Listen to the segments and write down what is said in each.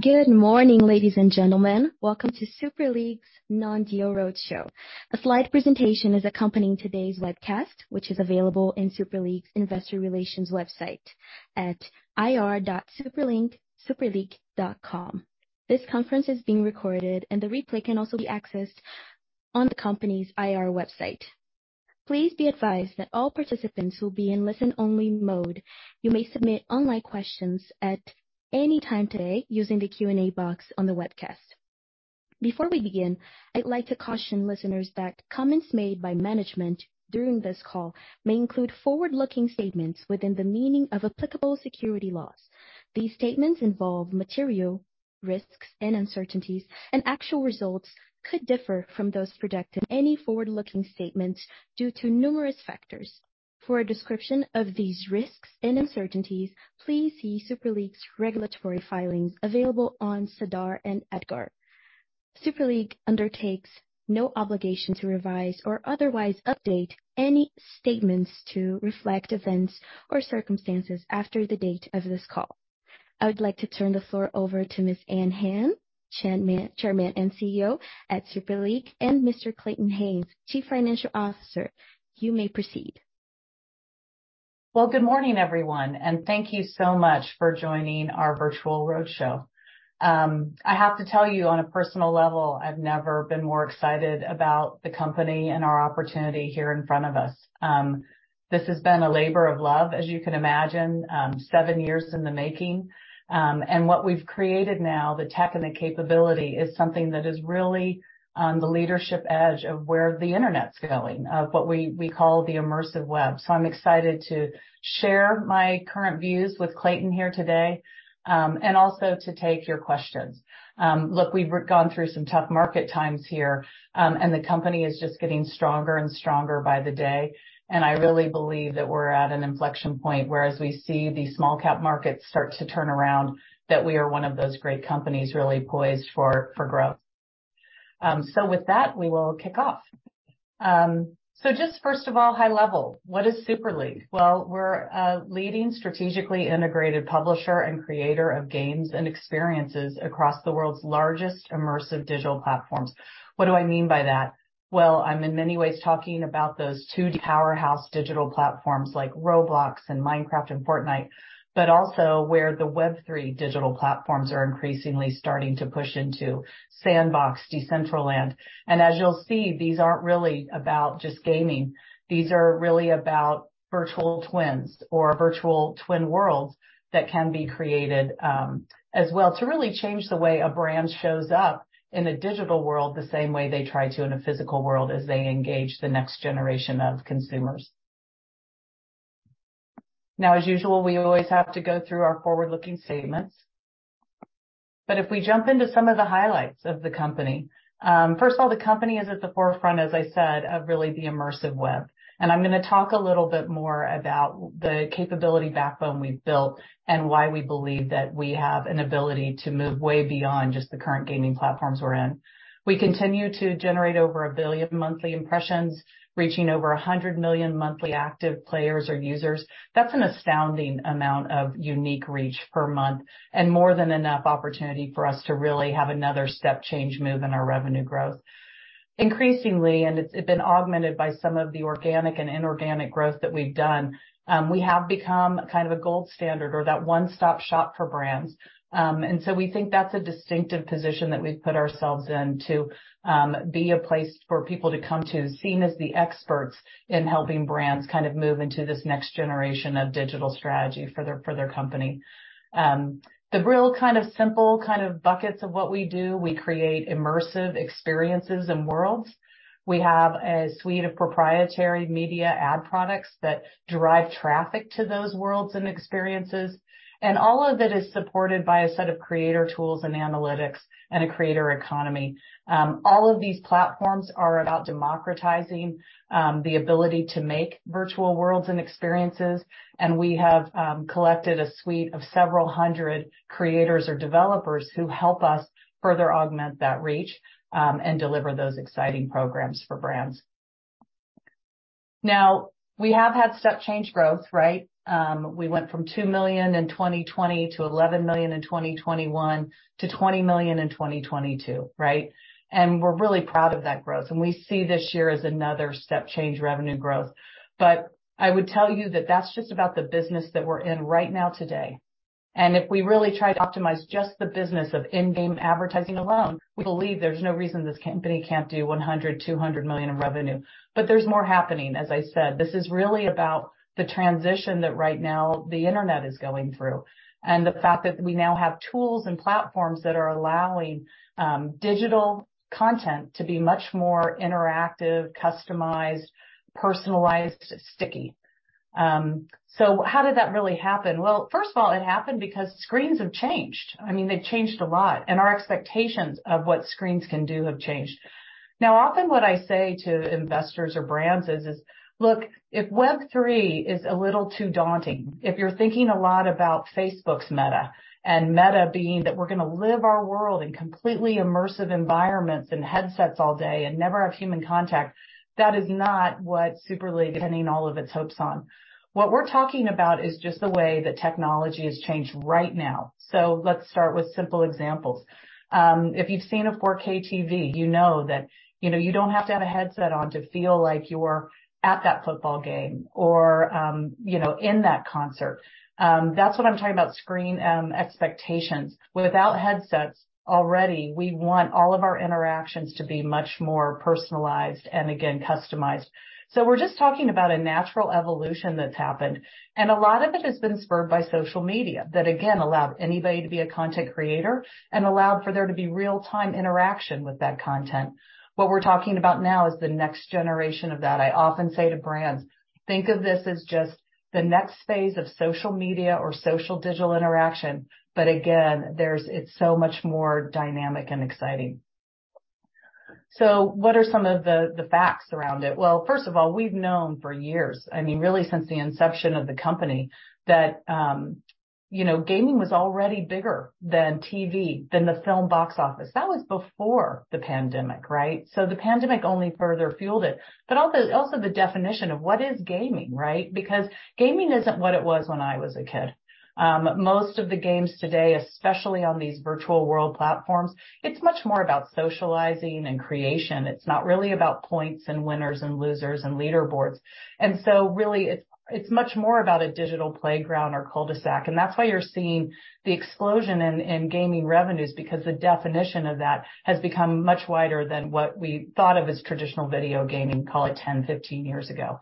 Good morning, ladies and gentlemen. Welcome to Super League's Non-Deal Roadshow. A slide presentation is accompanying today's webcast, which is available in Super League's Investor Relations website at ir.superleague.com. This conference is being recorded, and the replay can also be accessed on the company's IR website. Please be advised that all participants will be in listen-only mode. You may submit online questions at any time today using the Q&A box on the webcast. Before we begin, I'd like to caution listeners that comments made by management during this call may include forward-looking statements within the meaning of applicable security laws. These statements involve material risks and uncertainties, and actual results could differ from those projected in any forward-looking statements due to numerous factors. For a description of these risks and uncertainties, please see Super League's regulatory filings available on SEDAR and EDGAR. Super League undertakes no obligation to revise or otherwise update any statements to reflect events or circumstances after the date of this call. I would like to turn the floor over to Ms. Ann Hand, Chairman and CEO at Super League, and Mr. Clayton Haynes, Chief Financial Officer. You may proceed. Good morning, everyone, and thank you so much for joining our virtual roadshow. I have to tell you, on a personal level, I've never been more excited about the company and our opportunity here in front of us. This has been a labor of love, as you can imagine, seven years in the making. What we've created now, the tech and the capability, is something that is really on the leadership edge of where the Internet's going, of what we call the immersive web. I'm excited to share my current views with Clayton Haynes here today, and also to take your questions. Look, we've gone through some tough market times here, and the company is just getting stronger and stronger by the day. I really believe that we're at an inflection point, where as we see the small cap markets start to turn around, that we are one of those great companies really poised for growth. With that, we will kick off. Just first of all, high level, what is Super League? Well, we're a leading, strategically integrated publisher and creator of games and experiences across the world's largest immersive digital platforms. What do I mean by that? Well, I'm in many ways talking about those two powerhouse digital platforms like Roblox and Minecraft and Fortnite, but also where the Web3 digital platforms are increasingly starting to push into Sandbox, Decentraland. As you'll see, these aren't really about just gaming. These are really about virtual twins or virtual twin worlds that can be created, as well, to really change the way a brand shows up in a digital world, the same way they try to in a physical world as they engage the next generation of consumers. Now, as usual, we always have to go through our forward-looking statements, but if we jump into some of the highlights of the company. First of all, the company is at the forefront, as I said, of really the immersive web, and I'm going to talk a little bit more about the capability backbone we've built and why we believe that we have an ability to move way beyond just the current gaming platforms we're in. We continue to generate over 1 billion monthly impressions, reaching over 100 million monthly active players or users. That's an astounding amount of unique reach per month and more than enough opportunity for us to really have another step change move in our revenue growth. Increasingly, and it's been augmented by some of the organic and inorganic growth that we've done, we have become kind of a gold standard or that one-stop shop for brands. We think that's a distinctive position that we've put ourselves in to be a place for people to come to, seen as the experts in helping brands kind of move into this next generation of digital strategy for their company. The real kind of simple kind of buckets of what we do, we create immersive experiences and worlds. We have a suite of proprietary media ad products that drive traffic to those worlds and experiences. All of it is supported by a set of creator tools and analytics and a creator economy. All of these platforms are about democratizing the ability to make virtual worlds and experiences, and we have collected a suite of several hundred creators or developers who help us further augment that reach and deliver those exciting programs for brands. We have had step change growth, right? We went from $2 million in 2020 to $11 million in 2021 to $20 million in 2022, right? We're really proud of that growth, and we see this year as another step change revenue growth. I would tell you that that's just about the business that we're in right now today. If we really try to optimize just the business of in-game advertising alone, we believe there's no reason this company can't do $100 million-$200 million in revenue. There's more happening. As I said, this is really about the transition that right now the Internet is going through, and the fact that we now have tools and platforms that are allowing digital content to be much more interactive, customized, personalized, sticky. How did that really happen? Well, first of all, it happened because screens have changed. I mean, they've changed a lot, and our expectations of what screens can do have changed. Often what I say to investors or brands is, "Look, if Web3 is a little too daunting, if you're thinking a lot about Facebook's Meta, and Meta being that we're going to live our world in completely immersive environments and headsets all day and never have human contact, that is not what Super League is pinning all of its hopes on." What we're talking about is just the way that technology has changed right now. Let's start with simple examples. If you've seen a 4K TV, you know that, you know, you don't have to have a headset on to feel like you're at that football game or, you know, in that concert. That's what I'm talking about, screen, expectations. Without headsets, already, we want all of our interactions to be much more personalized and, again, customized. We're just talking about a natural evolution that's happened, and a lot of it has been spurred by social media that, again, allowed anybody to be a content creator and allowed for there to be real-time interaction with that content. What we're talking about now is the next generation of that. I often say to brands: "Think of this as just the next phase of social media or social digital interaction," but again, it's so much more dynamic and exciting. What are some of the facts around it? Well, first of all, we've known for years, I mean, really, since the inception of the company, that, you know, gaming was already bigger than TV, than the film box office. That was before the pandemic, right? The pandemic only further fueled it. Also the definition of what is gaming, right? Because gaming isn't what it was when I was a kid. Most of the games today, especially on these virtual world platforms, it's much more about socializing and creation. It's not really about points and winners and losers and leaderboards. Really, it's much more about a digital playground or cul-de-sac, and that's why you're seeing the explosion in gaming revenues, because the definition of that has become much wider than what we thought of as traditional video gaming, call it 10, 15 years ago.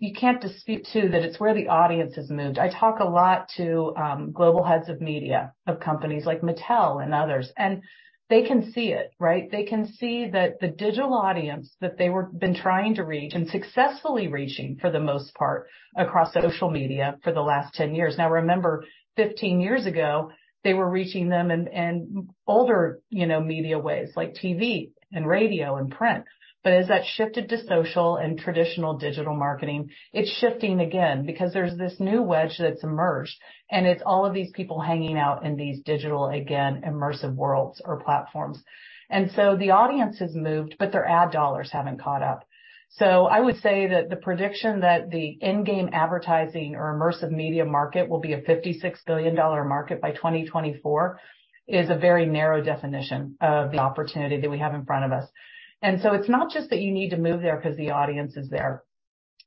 You can't dispute, too, that it's where the audience has moved. I talk a lot to global heads of media, of companies like Mattel and others, and they can see it, right? They can see that the digital audience that they were-- been trying to reach, and successfully reaching, for the most part, across social media for the last 10 years. Remember, 15 years ago, they were reaching them in older, you know, media ways, like TV and radio and print. As that shifted to social and traditional digital marketing, it's shifting again because there's this new wedge that's emerged, and it's all of these people hanging out in these digital, again, immersive worlds or platforms. The audience has moved, but their ad dollars haven't caught up. I would say that the prediction that the in-game advertising or immersive media market will be a $56 billion market by 2024 is a very narrow definition of the opportunity that we have in front of us. It's not just that you need to move there because the audience is there.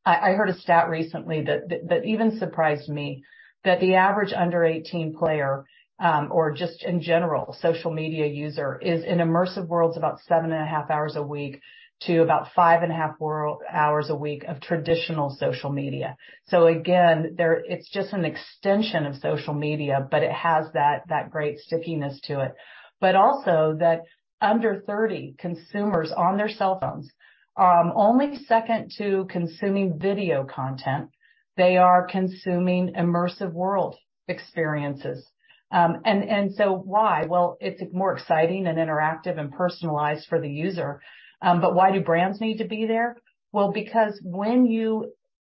I heard a stat recently that even surprised me, that the average under 18 player, or just in general, social media user, is in immersive worlds about 7.5 hours a week, to about 5.5 hours a week of traditional social media. Again, it's just an extension of social media, but it has that great stickiness to it. Also that under 30 consumers on their cell phones, only second to consuming video content, they are consuming immersive world experiences. So why? Well, it's more exciting and interactive and personalized for the user. Why do brands need to be there? Well, because when you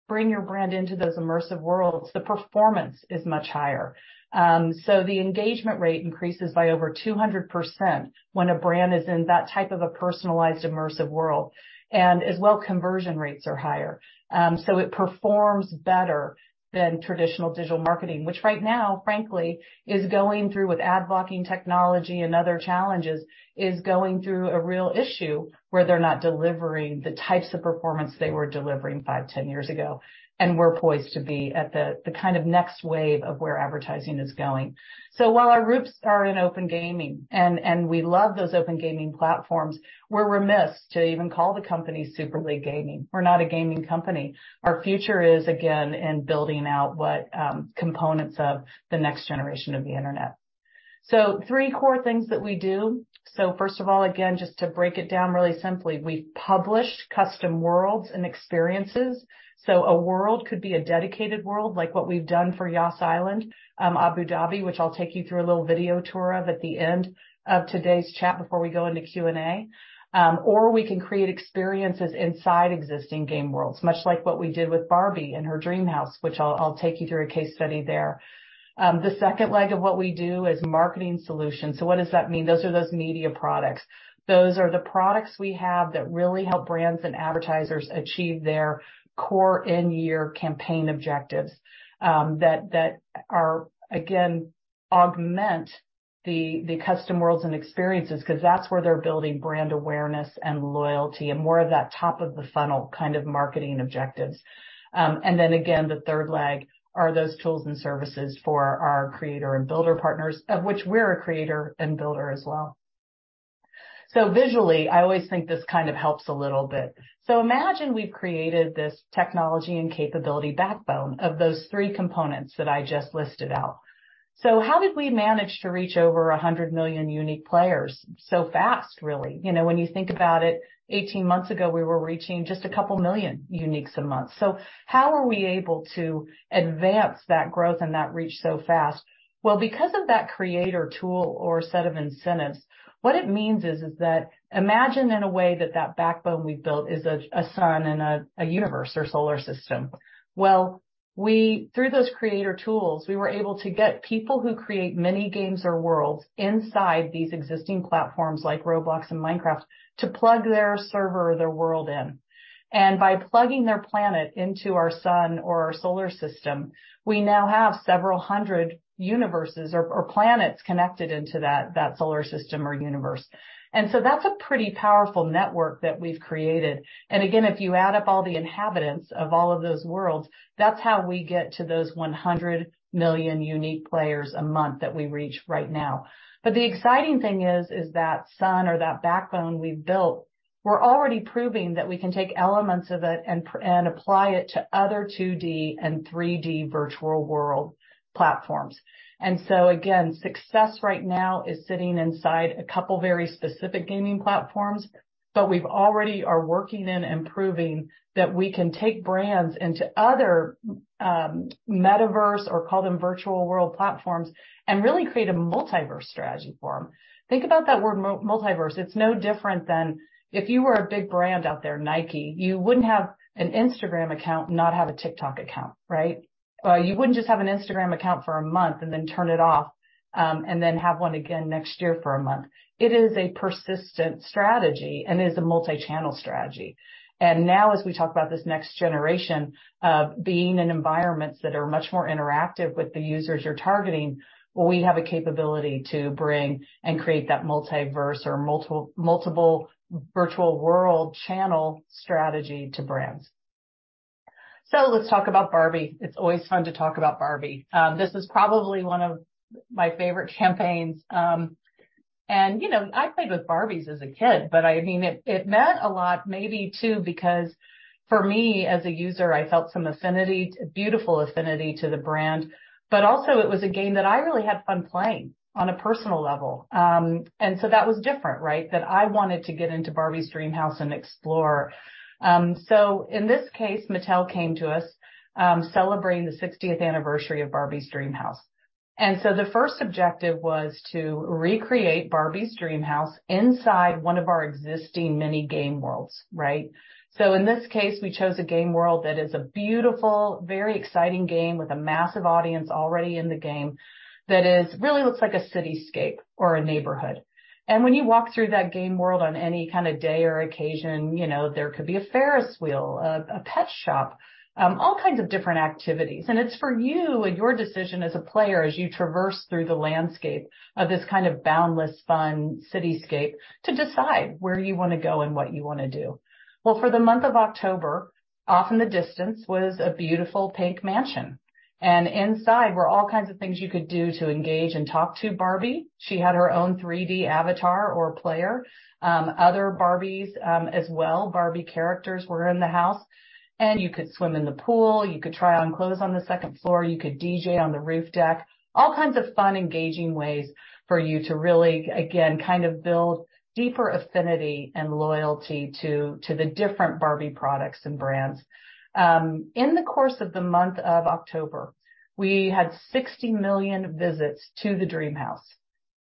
bring your brand into those immersive worlds, the performance is much higher. The engagement rate increases by over 200% when a brand is in that type of a personalized, immersive world. As well, conversion rates are higher. It performs better than traditional digital marketing, which right now, frankly, is going through, with ad blocking technology and other challenges, is going through a real issue where they're not delivering the types of performance they were delivering 5, 10 years ago. We're poised to be at the kind of next wave of where advertising is going. While our roots are in open gaming, and we love those open gaming platforms, we're remiss to even call the company Super League Gaming. We're not a gaming company. Our future is, again, in building out what components of the next generation of the Internet. 3 core things that we do. First of all, again, just to break it down really simply, we've published custom worlds and experiences. A world could be a dedicated world, like what we've done for Yas Island, Abu Dhabi, which I'll take you through a little video tour of at the end of today's chat before we go into Q&A. Or we can create experiences inside existing game worlds, much like what we did with Barbie in her Dreamhouse, which I'll take you through a case study there. The second leg of what we do is marketing solutions. What does that mean? Those are those media products. Those are the products we have that really help brands and advertisers achieve their core end-year campaign objectives. again, augment the custom worlds and experiences, because that's where they're building brand awareness and loyalty and more of that top-of-the-funnel kind of marketing objectives. Then again, the third leg are those tools and services for our creator and builder partners, of which we're a creator and builder as well. Visually, I always think this kind of helps a little bit. Imagine we've created this technology and capability backbone of those three components that I just listed out. How did we manage to reach over 100 million unique players so fast, really? You know, when you think about it, 18 months ago, we were reaching just a couple million uniques a month. How are we able to advance that growth and that reach so fast? Well, because of that creator tool or set of incentives, what it means is that imagine in a way that that backbone we've built is a sun in a universe or solar system. Well, we, through those creator tools, we were able to get people who create mini-games or worlds inside these existing platforms, like Roblox and Minecraft, to plug their server or their world in. By plugging their planet into our sun or our solar system, we now have several hundred universes or planets connected into that solar system or universe. That's a pretty powerful network that we've created. Again, if you add up all the inhabitants of all of those worlds, that's how we get to those 100 million unique players a month that we reach right now. The exciting thing is that sun or that backbone we've built, we're already proving that we can take elements of it and apply it to other 2D and 3D virtual world platforms. Again, success right now is sitting inside a couple very specific gaming platforms, but we've already are working in and proving that we can take brands into other, metaverse or call them virtual world platforms, and really create a multiverse strategy for them. Think about that word multiverse. It's no different than if you were a big brand out there, Nike, you wouldn't have an Instagram account, and not have a TikTok account, right? You wouldn't just have an Instagram account for a month and then turn it off, and then have one again next year for a month. It is a persistent strategy. It is a multi-channel strategy. Now, as we talk about this next generation of being in environments that are much more interactive with the users you're targeting, well, we have a capability to bring and create that multiverse or multiple virtual world channel strategy to brands. Let's talk about Barbie. It's always fun to talk about Barbie. This is probably one of my favorite campaigns. You know, I played with Barbies as a kid, but, I mean, it meant a lot, maybe, too, because for me, as a user, I felt some affinity, a beautiful affinity to the brand. Also it was a game that I really had fun playing on a personal level. That was different, right? That I wanted to get into Barbie's Dreamhouse and explore. In this case, Mattel came to us, celebrating the sixtieth anniversary of Barbie's Dreamhouse. The first objective was to recreate Barbie's Dreamhouse inside one of our existing mini game worlds, right? In this case, we chose a game world that is a beautiful, very exciting game with a massive audience already in the game, that is really looks like a cityscape or a neighborhood. When you walk through that game world on any kind of day or occasion, you know, there could be a Ferris wheel, a pet shop, all kinds of different activities. It's for you and your decision as a player, as you traverse through the landscape of this kind of boundless, fun cityscape, to decide where you want to go and what you want to do. Well, for the month of October, off in the distance was a beautiful pink mansion, and inside were all kinds of things you could do to engage and talk to Barbie. She had her own 3D avatar or player. Other Barbies, as well, Barbie characters were in the house, and you could swim in the pool, you could try on clothes on the second floor, you could DJ on the roof deck. All kinds of fun, engaging ways for you to really, again, kind of build deeper affinity and loyalty to the different Barbie products and brands. In the course of the month of October, we had 60 million visits to the Dreamhouse.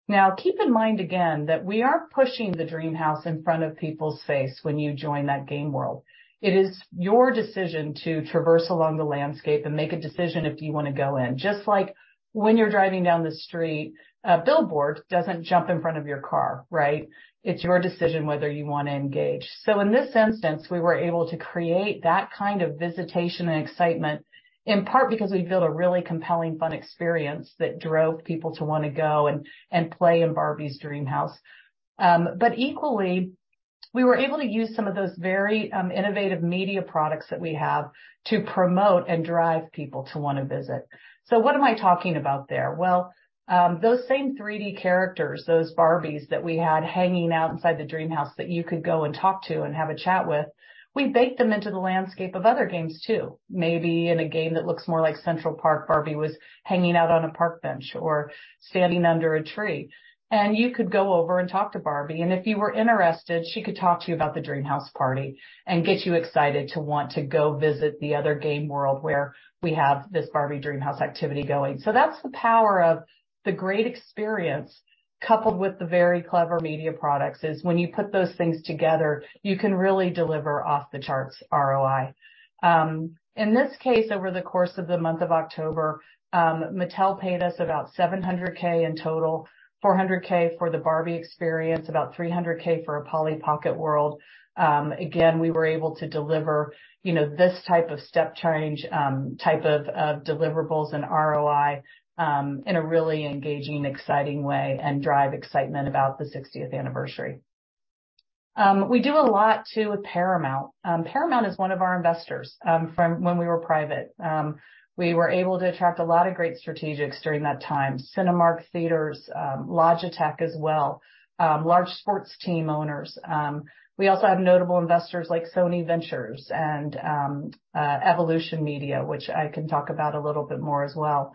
Now, keep in mind again, that we aren't pushing the Dreamhouse in front of people's face when you join that game world. It is your decision to traverse along the landscape and make a decision if you want to go in. Just like when you're driving down the street, a billboard doesn't jump in front of your car, right? It's your decision whether you want to engage. In this instance, we were able to create that kind of visitation and excitement, in part because we built a really compelling, fun experience that drove people to want to go and play in Barbie's Dreamhouse. But equally, we were able to use some of those very innovative media products that we have to promote and drive people to want to visit. What am I talking about there? Well, those same 3D characters, those Barbies that we had hanging out inside the Dreamhouse, that you could go and talk to and have a chat with, we baked them into the landscape of other games, too. Maybe in a game that looks more like Central Park, Barbie was hanging out on a park bench or standing under a tree, and you could go over and talk to Barbie. If you were interested, she could talk to you about the Dreamhouse party and get you excited to want to go visit the other game world where we have this Barbie Dreamhouse activity going. That's the power of the great experience, coupled with the very clever media products, is when you put those things together, you can really deliver off-the-charts ROI. In this case, over the course of the month of October, Mattel paid us about $700K in total, $400K for the Barbie experience, about $300K for a Polly Pocket world. Again, we were able to deliver, you know, this type of step change, type of deliverables and ROI, in a really engaging, exciting way, and drive excitement about the 60th anniversary. We do a lot, too, with Paramount. Paramount is one of our investors, from when we were private. We were able to attract a lot of great strategics during that time, Cinemark Theatres, Logitech as well, large sports team owners. We also have notable investors like Sony Ventures and Evolution Media, which I can talk about a little bit more as well.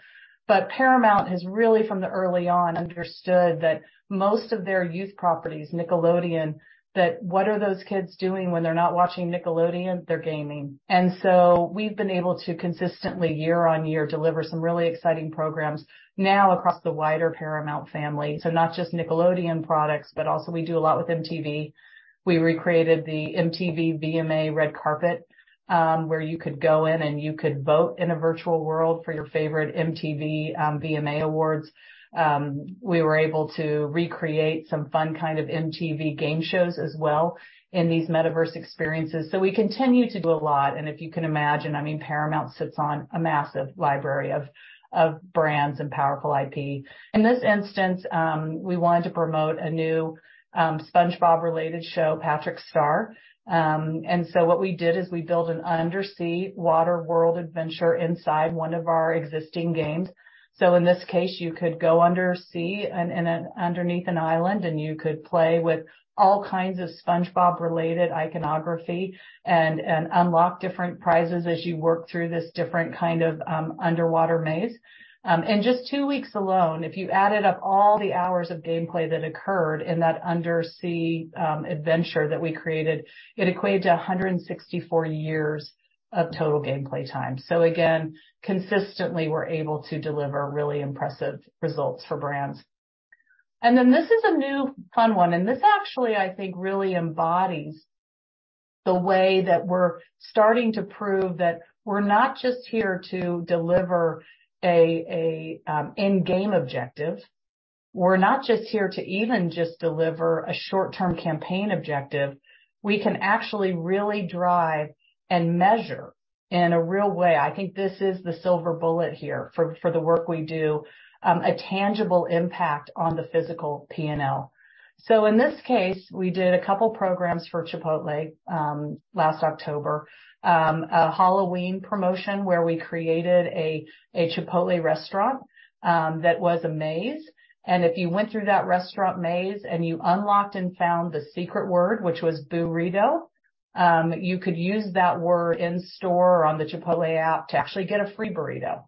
Paramount has really, from the early on, understood that most of their youth properties, Nickelodeon, what are those kids doing when they're not watching Nickelodeon? They're gaming. We've been able to consistently, year on year, deliver some really exciting programs now across the wider Paramount family. Not just Nickelodeon products, but also we do a lot with MTV. We recreated the MTV VMA red carpet, where you could go in, and you could vote in a virtual world for your favorite MTV VMA Awards. We were able to recreate some fun kind of MTV game shows as well in these metaverse experiences. We continue to do a lot, and if you can imagine, I mean, Paramount sits on a massive library of brands and powerful IP. In this instance, we wanted to promote a new SpongeBob-related show, Patrick Star. What we did is we built an undersea water world adventure inside one of our existing games. In this case, you could go undersea and underneath an island, and you could play with all kinds of SpongeBob-related iconography and unlock different prizes as you work through this different kind of underwater maze. In just 2 weeks alone, if you added up all the hours of gameplay that occurred in that undersea adventure that we created, it equated to 164 years of total gameplay time. Again, consistently, we're able to deliver really impressive results for brands. This is a new fun one, and this actually, I think, really embodies the way that we're starting to prove that we're not just here to deliver an in-game objective. We're not just here to even just deliver a short-term campaign objective. We can actually really drive and measure in a real way. I think this is the silver bullet here for the work we do, a tangible impact on the physical P&L. In this case, we did a couple programs for Chipotle last October. A Halloween promotion where we created a Chipotle restaurant that was a maze, and if you went through that restaurant maze, and you unlocked and found the secret word, which was Boorito, you could use that word in store or on the Chipotle app to actually get a free burrito.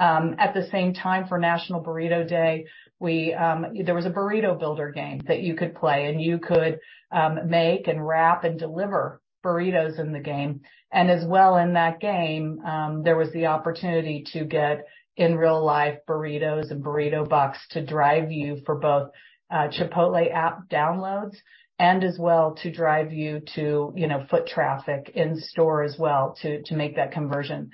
At the same time, for National Burrito Day, we, there was a burrito builder game that you could play and you could make and wrap and deliver burritos in the game. As well in that game, there was the opportunity to get, in real life, burritos and burrito boxes to drive you for both Chipotle app downloads and as well to drive you to, you know, foot traffic in store as well to make that conversion.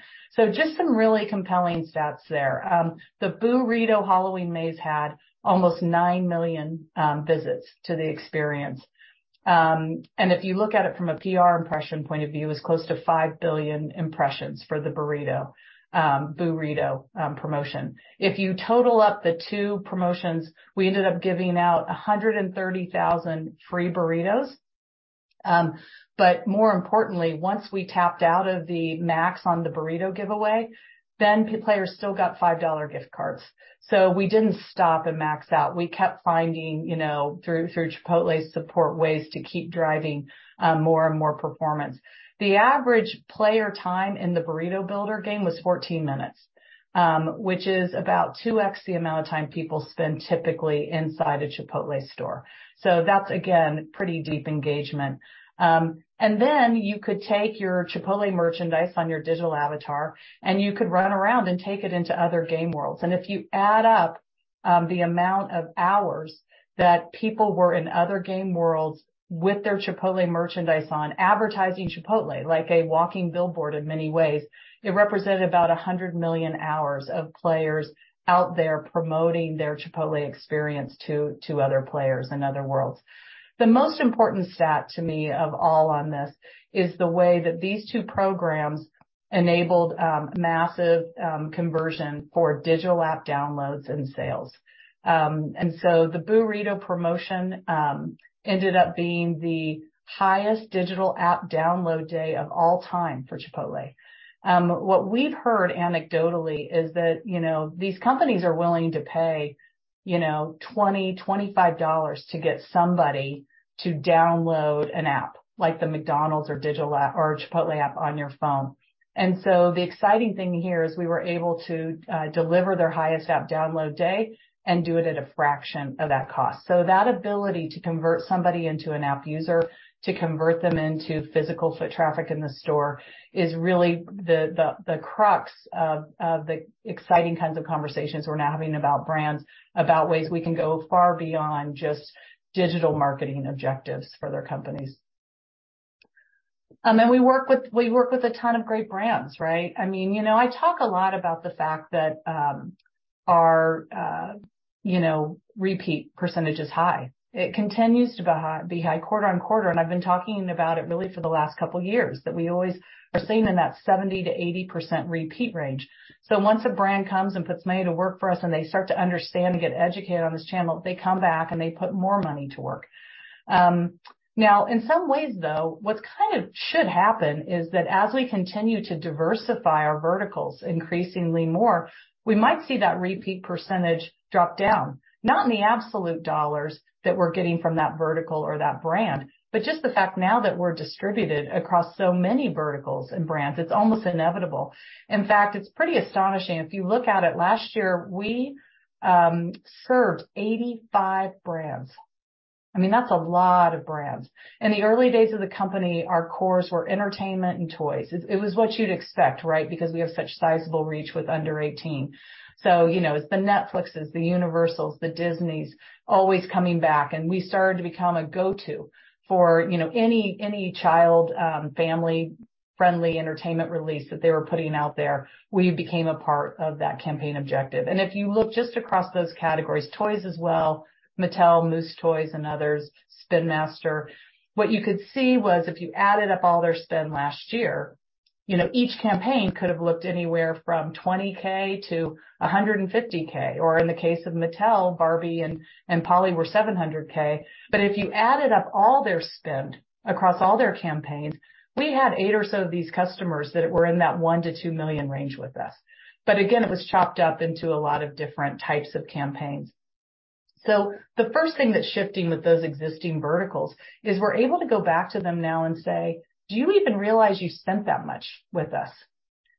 Just some really compelling stats there. The Boorito Halloween maze had almost nine million visits to the experience. If you look at it from a PR impression point of view, it was close to five billion impressions for the burrito Boorito promotion. If you total up the two promotions, we ended up giving out 130,000 free burritos. More importantly, once we tapped out of the max on the burrito giveaway, then players still got $5 gift cards. We didn't stop and max out. We kept finding, you know, through Chipotle's support, ways to keep driving more and more performance. The average player time in the burrito builder game was 14 minutes, which is about 2x the amount of time people spend typically inside a Chipotle store. That's, again, pretty deep engagement. Then you could take your Chipotle merchandise on your digital avatar, and you could run around and take it into other game worlds. If you add up the amount of hours that people were in other game worlds with their Chipotle merchandise on, advertising Chipotle, like a walking billboard in many ways, it represented about 100 million hours of players out there promoting their Chipotle experience to other players in other worlds. The most important stat to me of all on this, is the way that these two programs enabled massive conversion for digital app downloads and sales. The Boorito promotion ended up being the highest digital app download day of all time for Chipotle. What we've heard anecdotally is that, you know, these companies are willing to pay, you know, $20-$25 to get somebody to download an app, like the McDonald's or digital app or Chipotle app on your phone. The exciting thing here is we were able to deliver their highest app download day and do it at a fraction of that cost. That ability to convert somebody into an app user, to convert them into physical foot traffic in the store, is really the crux of the exciting kinds of conversations we're now having about brands, about ways we can go far beyond just digital marketing objectives for their companies. We work with a ton of great brands, right? I mean, you know, I talk a lot about the fact that our, you know, repeat percentage is high. It continues to be high quarter on quarter, and I've been talking about it really for the last couple of years, that we always are seeing in that 70%-80% repeat range. Once a brand comes and puts money to work for us, and they start to understand and get educated on this channel, they come back, and they put more money to work. Now, in some ways, though, what kind of should happen is that as we continue to diversify our verticals increasingly more, we might see that repeat percentage drop down, not in the absolute dollars that we're getting from that vertical or that brand, but just the fact now that we're distributed across so many verticals and brands, it's almost inevitable. In fact, it's pretty astonishing. If you look at it, last year, we served 85 brands. I mean, that's a lot of brands. In the early days of the company, our cores were entertainment and toys. It was what you'd expect, right? Because we have such sizable reach with under 18. You know, it's the Netflixs', the Universals, the Disneys', always coming back, and we started to become a go-to for, you know, any child, family-friendly entertainment release that they were putting out there. We became a part of that campaign objective. If you look just across those categories, toys as well, Mattel, Moose Toys, and others, Spin Master. What you could see was if you added up all their spend last year, you know, each campaign could have looked anywhere from $20K to $150K, or in the case of Mattel, Barbie and Polly were $700K. If you added up all their spend across all their campaigns, we had eight or so of these customers that were in that $1 million-$2 million range with us. Again, it was chopped up into a lot of different types of campaigns. The first thing that's shifting with those existing verticals is we're able to go back to them now and say: "Do you even realize you spent that much with us?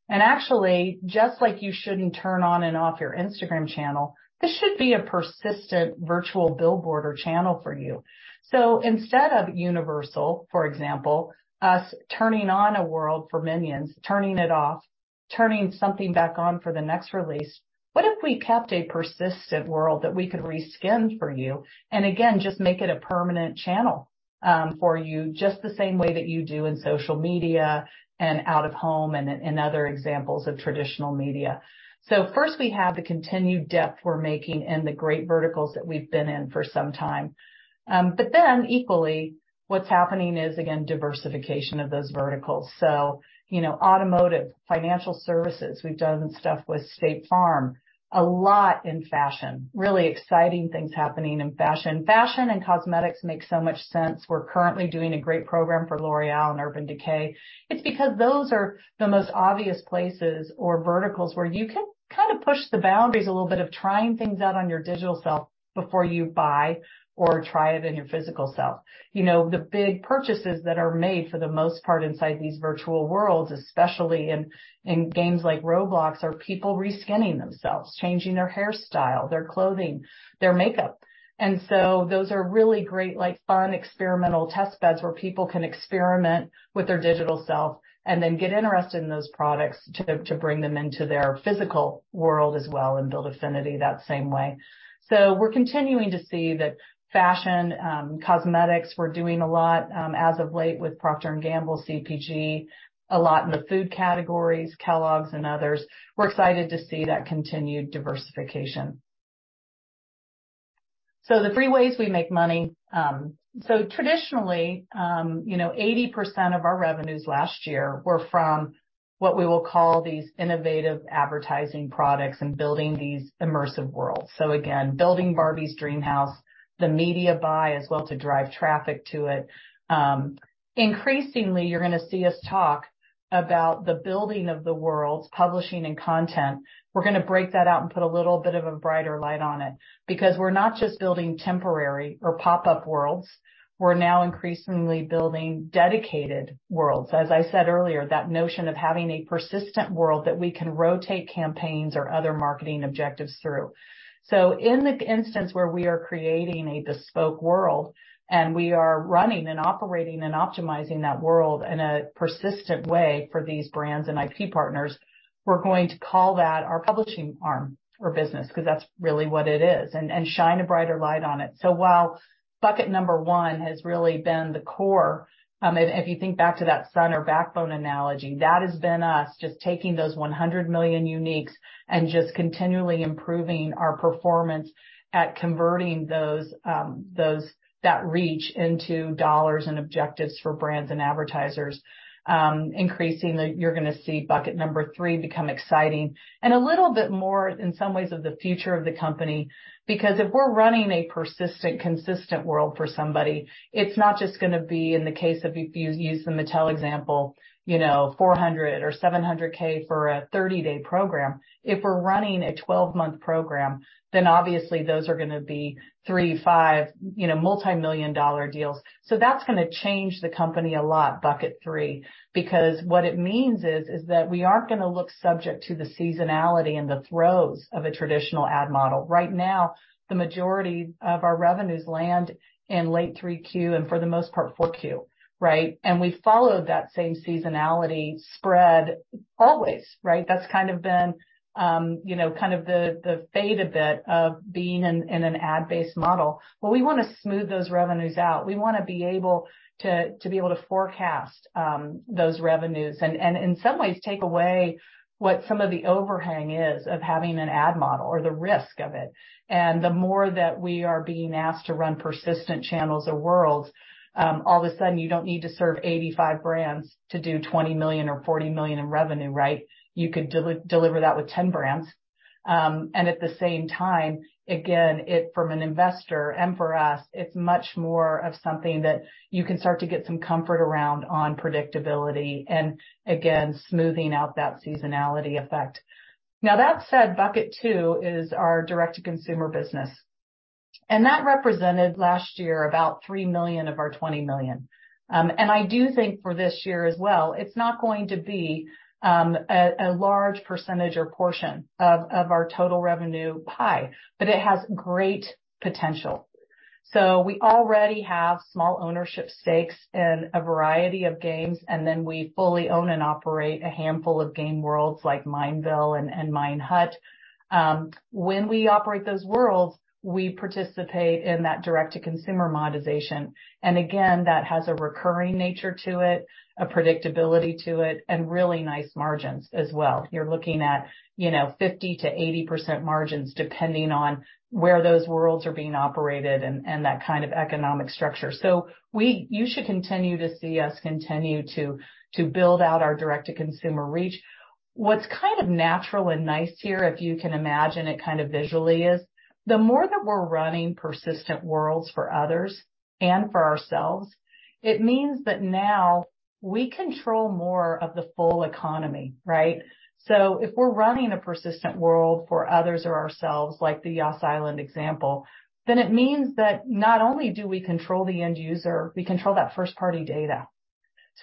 And actually, just like you shouldn't turn on and off your Instagram channel, this should be a persistent virtual billboard or channel for you." Instead of Universal, for example, us turning on a world for Minions, turning it off, turning something back on for the next release, what if we kept a persistent world that we could reskin for you? Again, just make it a permanent channel for you, just the same way that you do in social media and out of home, and in other examples of traditional media. First, we have the continued depth we're making in the great verticals that we've been in for some time. equally, what's happening is, again, diversification of those verticals. You know, automotive, financial services, we've done stuff with State Farm, a lot in fashion. Really exciting things happening in fashion. Fashion and cosmetics make so much sense. We're currently doing a great program for L'Oréal and Urban Decay. It's because those are the most obvious places or verticals where you can kind of push the boundaries a little bit of trying things out on your digital self before you buy or try it in your physical self. You know, the big purchases that are made, for the most part, inside these virtual worlds, especially in games like Roblox, are people reskinning themselves, changing their hairstyle, their clothing, their makeup. Those are really great, like, fun, experimental test beds where people can experiment with their digital self and then get interested in those products to bring them into their physical world as well and build affinity that same way. We're continuing to see that fashion, cosmetics, we're doing a lot as of late with Procter & Gamble, CPG, a lot in the food categories, Kellogg's and others. We're excited to see that continued diversification. The three ways we make money. Traditionally, you know, 80% of our revenues last year were from what we will call these innovative advertising products and building these immersive worlds. Again, building Barbie's Dream House, the media buy as well to drive traffic to it. Increasingly, you're gonna see us talk about the building of the worlds, publishing and content. We're gonna break that out and put a little bit of a brighter light on it because we're not just building temporary or pop-up worlds, we're now increasingly building dedicated worlds. As I said earlier, that notion of having a persistent world that we can rotate campaigns or other marketing objectives through. In the instance where we are creating a bespoke world, and we are running and operating and optimizing that world in a persistent way for these brands and IP partners, we're going to call that our publishing arm or business, 'cause that's really what it is, and shine a brighter light on it. While bucket number one has really been the core, and if you think back to that sun or backbone analogy, that has been us just taking those 100 million uniques and just continually improving our performance at converting that reach into dollars and objectives for brands and advertisers. You're gonna see bucket number three become exciting and a little bit more in some ways, of the future of the company. If we're running a persistent, consistent world for somebody, it's not just gonna be in the case of if you use the Mattel example, you know, $400K or $700K for a 30-day program. If we're running a 12-month program, then obviously those are gonna be $3 million, $5 million, you know, multimillion-dollar deals. That's gonna change the company a lot, bucket three, because what it means is that we aren't gonna look subject to the seasonality and the throes of a traditional ad model. Right now, the majority of our revenues land in late Q3 and for the most part, Q4, right. We followed that same seasonality spread always, right. That's kind of been, you know, kind of the fate a bit of being in an ad-based model. We wanna smooth those revenues out. We wanna be able to forecast those revenues and in some ways take away what some of the overhang is of having an ad model or the risk of it. The more that we are being asked to run persistent channels or worlds, all of a sudden, you don't need to serve 85 brands to do $20 million or $40 million in revenue, right? You could deliver that with 10 brands. At the same time, again, from an investor and for us, it's much more of something that you can start to get some comfort around on predictability and, again, smoothing out that seasonality effect. Now, that said, bucket two is our direct-to-consumer business. That represented last year, about $3 million of our $20 million. I do think for this year as well, it's not going to be a large percentage or portion of our total revenue pie, but it has great potential. We already have small ownership stakes in a variety of games, and then we fully own and operate a handful of game worlds like Mineville and Minehut. When we operate those worlds, we participate in that direct-to-consumer monetization. Again, that has a recurring nature to it, a predictability to it, and really nice margins as well. You're looking at, you know, 50%-80% margins, depending on where those worlds are being operated and that kind of economic structure. You should continue to see us continue to build out our direct-to-consumer reach. What's kind of natural and nice here, if you can imagine it kind of visually, is the more that we're running persistent worlds for others and for ourselves, it means that now we control more of the full economy, right? If we're running a persistent world for others or ourselves, like the Yas Island example, then it means that not only do we control the end user, we control that first-party data.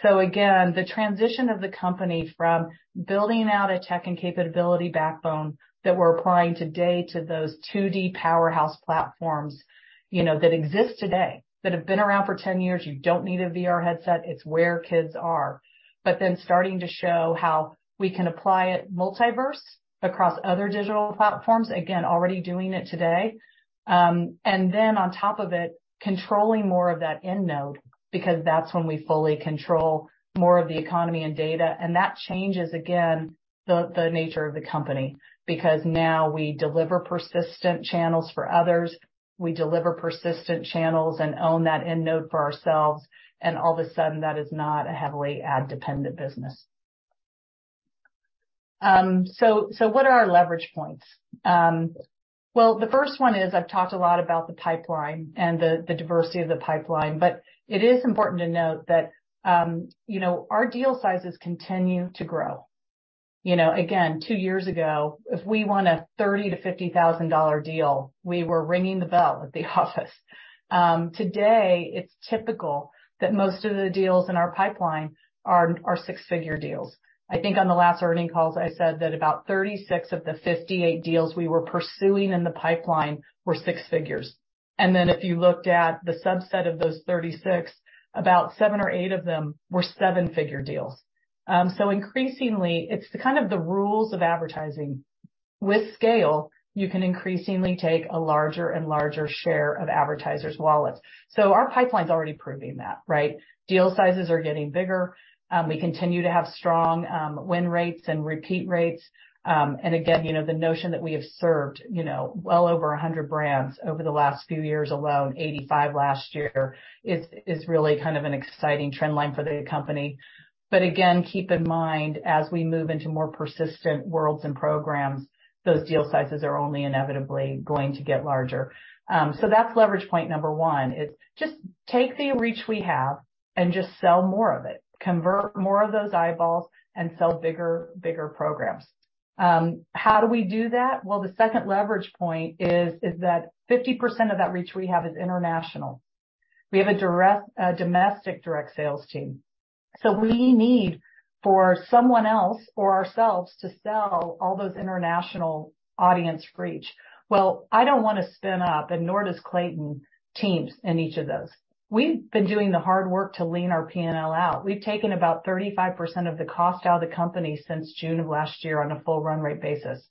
Again, the transition of the company from building out a tech and capability backbone that we're applying today to those 2D powerhouse platforms, you know, that exist today, that have been around for 10 years, you don't need a VR headset, it's where kids are. Starting to show how we can apply it multiverse across other digital platforms, again, already doing it today. On top of it, controlling more of that end node, because that's when we fully control more of the economy and data. That changes, again, the nature of the company, because now we deliver persistent channels for others. We deliver persistent channels and own that end node for ourselves, all of a sudden, that is not a heavily ad-dependent business. What are our leverage points? Well, the first one is, I've talked a lot about the pipeline and the diversity of the pipeline, it is important to note that, you know, our deal sizes continue to grow. You know, again, 2 years ago, if we won a $30,000-$50,000 deal, we were ringing the bell at the office. Today, it's typical that most of the deals in our pipeline are six-figure deals. I think on the last earnings calls, I said that about 36 of the 58 deals we were pursuing in the pipeline were six figures. If you looked at the subset of those 36, about 7 or 8 of them were $7-figure deals. Increasingly, it's the kind of the rules of advertising. With scale, you can increasingly take a larger and larger share of advertisers' wallets. Our pipeline's already proving that, right? Deal sizes are getting bigger. We continue to have strong, win rates and repeat rates. Again, you know, the notion that we have served, you know, well over 100 brands over the last few years alone, 85 last year, is really kind of an exciting trend line for the company. Again, keep in mind, as we move into more persistent worlds and programs, those deal sizes are only inevitably going to get larger. That's leverage point number one. It's just take the reach we have and just sell more of it, convert more of those eyeballs and sell bigger programs. How do we do that? The second leverage point is that 50% of that reach we have is international. We have a domestic direct sales team. We need for someone else or ourselves to sell all those international audience reach. I don't wanna spin up, and nor does Clayton, teams in each of those. We've been doing the hard work to lean our P&L out. We've taken about 35% of the cost out of the company since June of last year on a full run rate basis.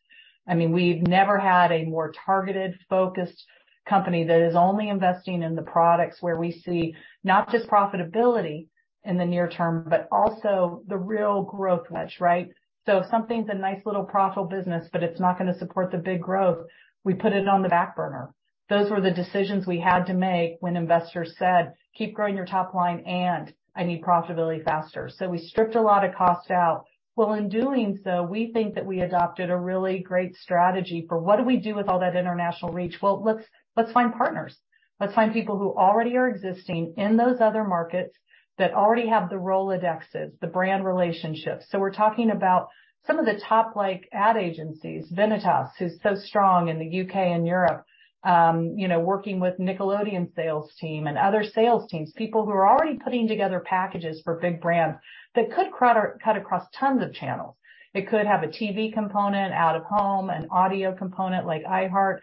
I mean, we've never had a more targeted, focused company that is only investing in the products where we see not just profitability in the near term, but also the real growth match, right? If something's a nice little profitable business, but it's not gonna support the big growth, we put it on the back burner. Those were the decisions we had to make when investors said: "Keep growing your top line, and I need profitability faster." We stripped a lot of costs out. In doing so, we think that we adopted a really great strategy for what do we do with all that international reach? Let's find partners. Let's find people who already are existing in those other markets that already have the Rolodexes, the brand relationships. We're talking about some of the top like, ad agencies, Venatus, who's so strong in the U.K. and Europe, you know, working with Nickelodeon sales team and other sales teams, people who are already putting together packages for big brands that could cut across tons of channels. It could have a TV component, out of home, an audio component like iHeart.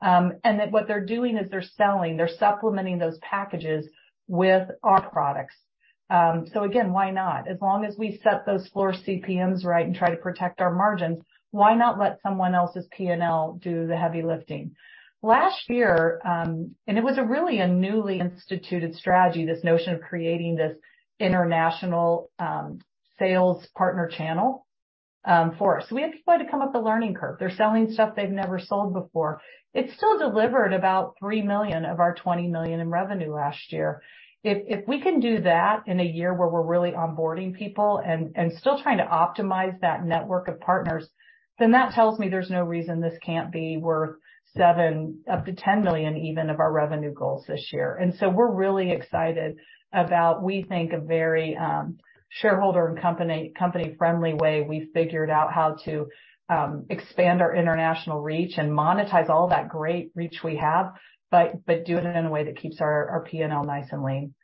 That what they're doing is they're selling, they're supplementing those packages with our products. Again, why not? As long as we set those floor CPMs right and try to protect our margins, why not let someone else's PNL do the heavy lifting? Last year, it was a really a newly instituted strategy, this notion of creating this international sales partner channel for us. We have people had to come up the learning curve. They're selling stuff they've never sold before. It still delivered about $3 million of our $20 million in revenue last year. If we can do that in a year where we're really onboarding people and still trying to optimize that network of partners, then that tells me there's no reason this can't be worth $7 million-$10 million, even of our revenue goals this year. We're really excited about, we think, a very, shareholder and company-friendly way. We've figured out how to expand our international reach and monetize all that great reach we have, but do it in a way that keeps our PNL nice and lean.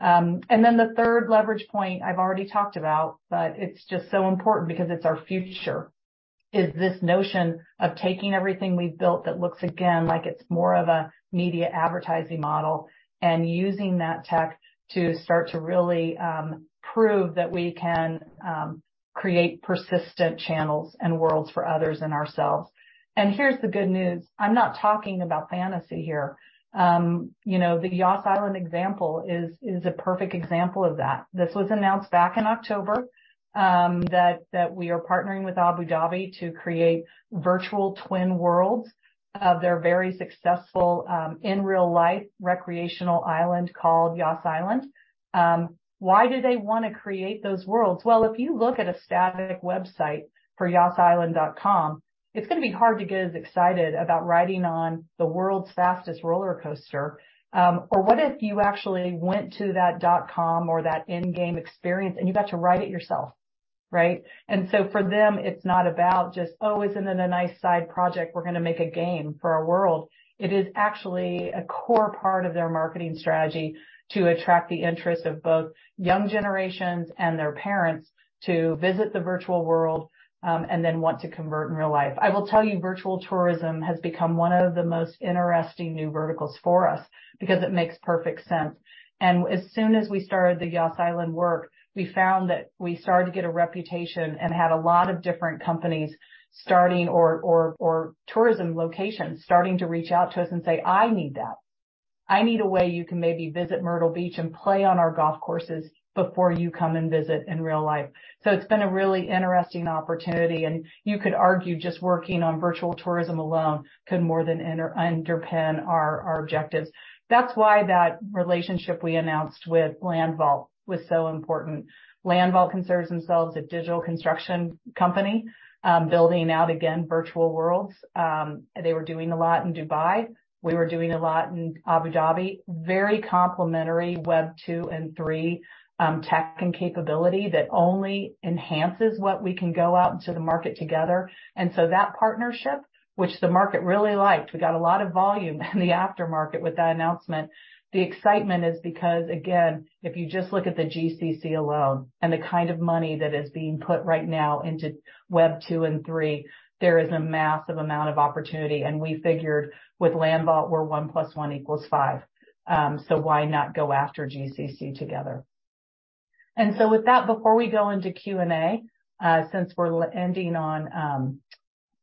The third leverage point I've already talked about, but it's just so important because it's our future, is this notion of taking everything we've built that looks, again, like it's more of a media advertising model, and using that tech to start to really prove that we can create persistent channels and worlds for others and ourselves. Here's the good news: I'm not talking about fantasy here. You know, the Yas Island example is a perfect example of that. This was announced back in October that we are partnering with Abu Dhabi to create virtual twin worlds of their very successful in real life, recreational island called Yas Island. Why do they want to create those worlds? Well, if you look at a static website for yasisland.com, it's going to be hard to get as excited about riding on the world's fastest roller coaster. Or what if you actually went to that .com or that in-game experience, and you got to ride it yourself, right? For them, it's not about just, "Oh, isn't it a nice side project? We're going to make a game for our world." It is actually a core part of their marketing strategy to attract the interest of both young generations and their parents to visit the virtual world and then want to convert in real life. I will tell you, virtual tourism has become one of the most interesting new verticals for us because it makes perfect sense. As soon as we started the Yas Island work, we found that we started to get a reputation and had a lot of different companies starting or tourism locations starting to reach out to us and say, "I need that. I need a way you can maybe visit Myrtle Beach and play on our golf courses before you come and visit in real life." It's been a really interesting opportunity, and you could argue just working on virtual tourism alone could more than underpin our objectives. That's why that relationship we announced with LandVault was so important. LandVault considers themselves a digital construction company, building out, again, virtual worlds. They were doing a lot in Dubai. We were doing a lot in Abu Dhabi. Very complimentary Web 2 and 3 tech and capability that only enhances what we can go out into the market together. That partnership, which the market really liked, we got a lot of volume in the aftermarket with that announcement. The excitement is because, again, if you just look at the GCC alone and the kind of money that is being put right now into Web 2 and 3, there is a massive amount of opportunity, and we figured with LandVault, where 1 plus 1 equals 5, why not go after GCC together? With that, before we go into Q&A, since we're ending on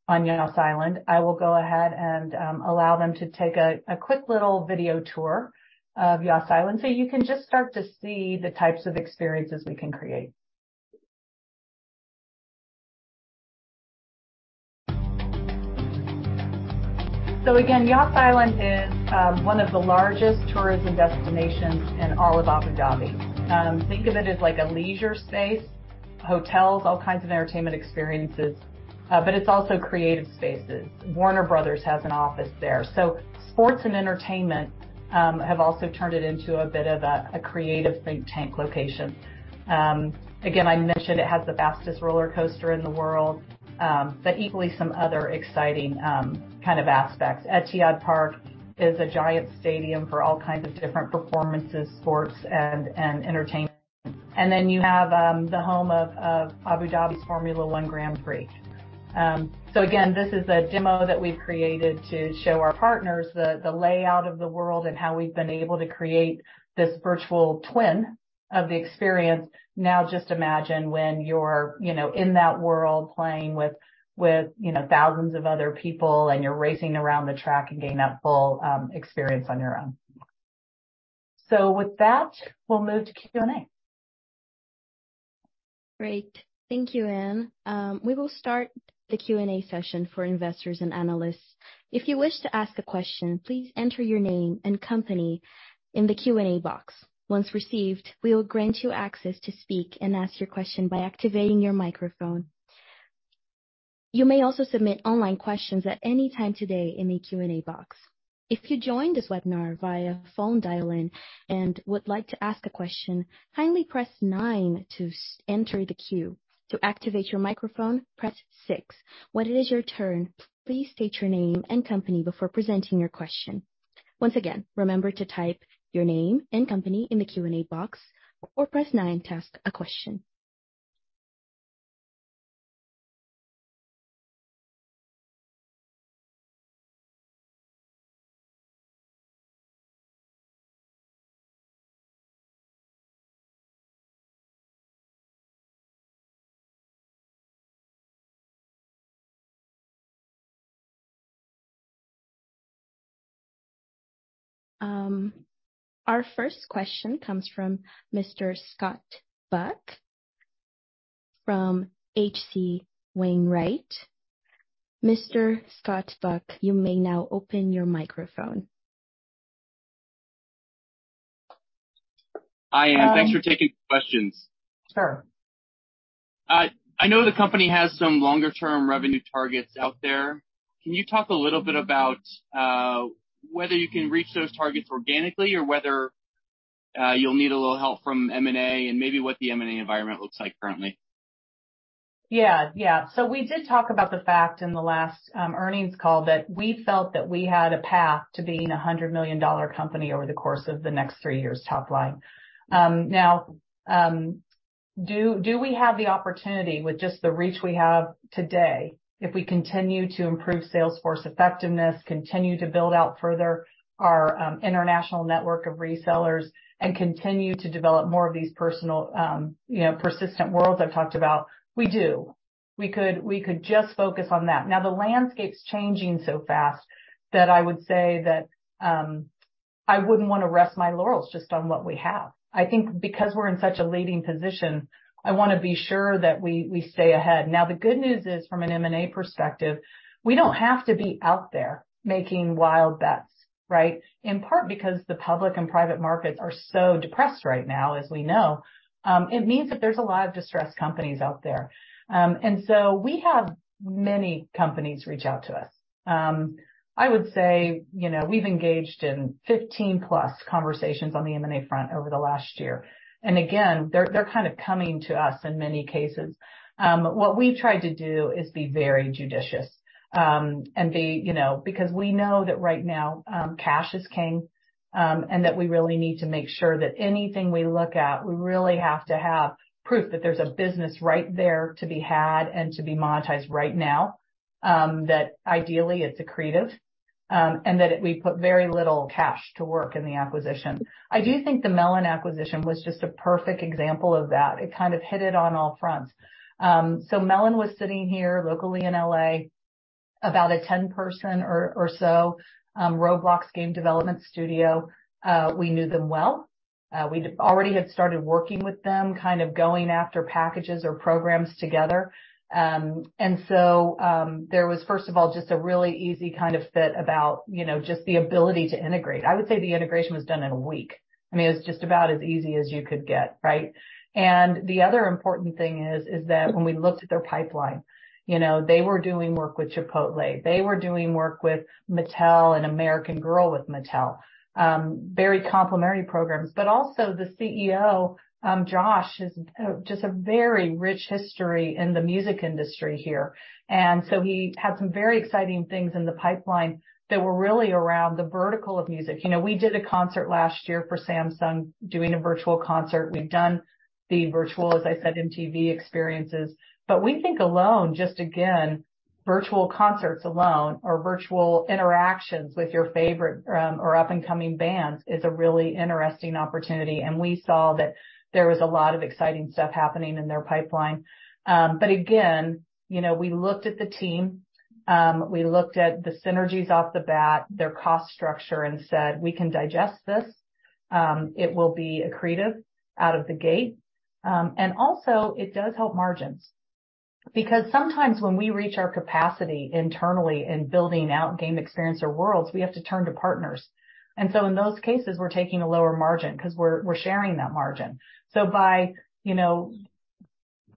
Yas Island, I will go ahead and allow them to take a quick little video tour of Yas Island, so you can just start to see the types of experiences we can create. Again, Yas Island is one of the largest tourism destinations in all of Abu Dhabi. Think of it as like a leisure space, hotels, all kinds of entertainment experiences, but it's also creative spaces. Warner Bros. has an office there, so sports and entertainment have also turned it into a bit of a creative think tank location. Again, I mentioned it has the fastest roller coaster in the world, but equally some other exciting kind of aspects. Etihad Park is a giant stadium for all kinds of different performances, sports, and entertainment. Then you have the home of Abu Dhabi's Formula 1 Grand Prix. Again, this is a demo that we've created to show our partners the layout of the world and how we've been able to create this virtual twin of the experience. Just imagine when you're, you know, in that world, playing with, you know, thousands of other people, and you're racing around the track and getting that full experience on your own. With that, we'll move to Q&A. Great. Thank you, Ann. We will start the Q&A session for investors and analysts. If you wish to ask a question, please enter your name and company in the Q&A box. Once received, we will grant you access to speak and ask your question by activating your microphone. You may also submit online questions at any time today in the Q&A box. If you joined this webinar via phone dial-in and would like to ask a question, kindly press nine to enter the queue. To activate your microphone, press six. When it is your turn, please state your name and company before presenting your question. Once again, remember to type your name and company in the Q&A box or press nine to ask a question. Our first question comes from Mr. Scott Buck from H.C. Wainwright. Mr. Scott Buck, you may now open your microphone. Hi, Ann. Thanks for taking questions. Sure. I know the company has some longer-term revenue targets out there. Can you talk a little bit about whether you can reach those targets organically or whether you'll need a little help from M&A and maybe what the M&A environment looks like currently? Yeah, yeah. We did talk about the fact in the last earnings call, that we felt that we had a path to being a $100 million company over the course of the next three years, top line. Now, do we have the opportunity with just the reach we have today if we continue to improve sales force effectiveness, continue to build out further our international network of resellers, and continue to develop more of these personal, you know, persistent worlds I've talked about? We do. We could just focus on that. The landscape's changing so fast that I would say that I wouldn't want to rest my laurels just on what we have. I think because we're in such a leading position, I want to be sure that we stay ahead. The good news is, from an M&A perspective, we don't have to be out there making wild bets, right? In part because the public and private markets are so depressed right now, as we know. It means that there's a lot of distressed companies out there. We have many companies reach out to us. I would say, you know, we've engaged in 15+ conversations on the M&A front over the last year. Again, they're kind of coming to us in many cases. What we've tried to do is be very judicious, and be... You know, because we know that right now, cash is king, and that we really need to make sure that anything we look at, we really have to have proof that there's a business right there to be had and to be monetized right now. That ideally it's accretive, and that we put very little cash to work in the acquisition. I do think the MELON acquisition was just a perfect example of that. It kind of hit it on all fronts. MELON was sitting here locally in L.A., about a 10 person or so, Roblox game development studio. We knew them well. We already had started working with them, kind of going after packages or programs together. There was, first of all, just a really easy kind of fit about, you know, just the ability to integrate. I would say the integration was done in 1 week. I mean, it's just about as easy as you could get, right? The other important thing is that when we looked at their pipeline, you know, they were doing work with Chipotle, they were doing work with Mattel and American Girl, with Mattel. Very complimentary programs. Also the CEO, Josh, has just a very rich history in the music industry here, and so he had some very exciting things in the pipeline that were really around the vertical of music. You know, we did a concert last year for Samsung, doing a virtual concert. We've done the virtual, as I said, MTV experiences. We think alone, just again, virtual concerts alone or virtual interactions with your favorite or up-and-coming bands is a really interesting opportunity. We saw that there was a lot of exciting stuff happening in their pipeline. Again, you know, we looked at the team, we looked at the synergies off the bat, their cost structure, and said, "We can digest this. It will be accretive out of the gate." Also it does help margins, because sometimes when we reach our capacity internally in building out game experience or worlds, we have to turn to partners. In those cases, we're taking a lower margin because we're sharing that margin. By, you know,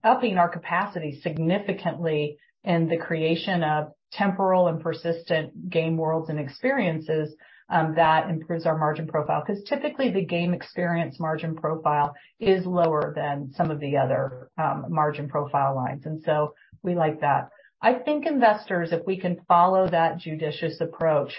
upping our capacity significantly in the creation of temporal and persistent game worlds and experiences, that improves our margin profile. Typically the game experience margin profile is lower than some of the other margin profile lines. We like that. I think investors, if we can follow that judicious approach,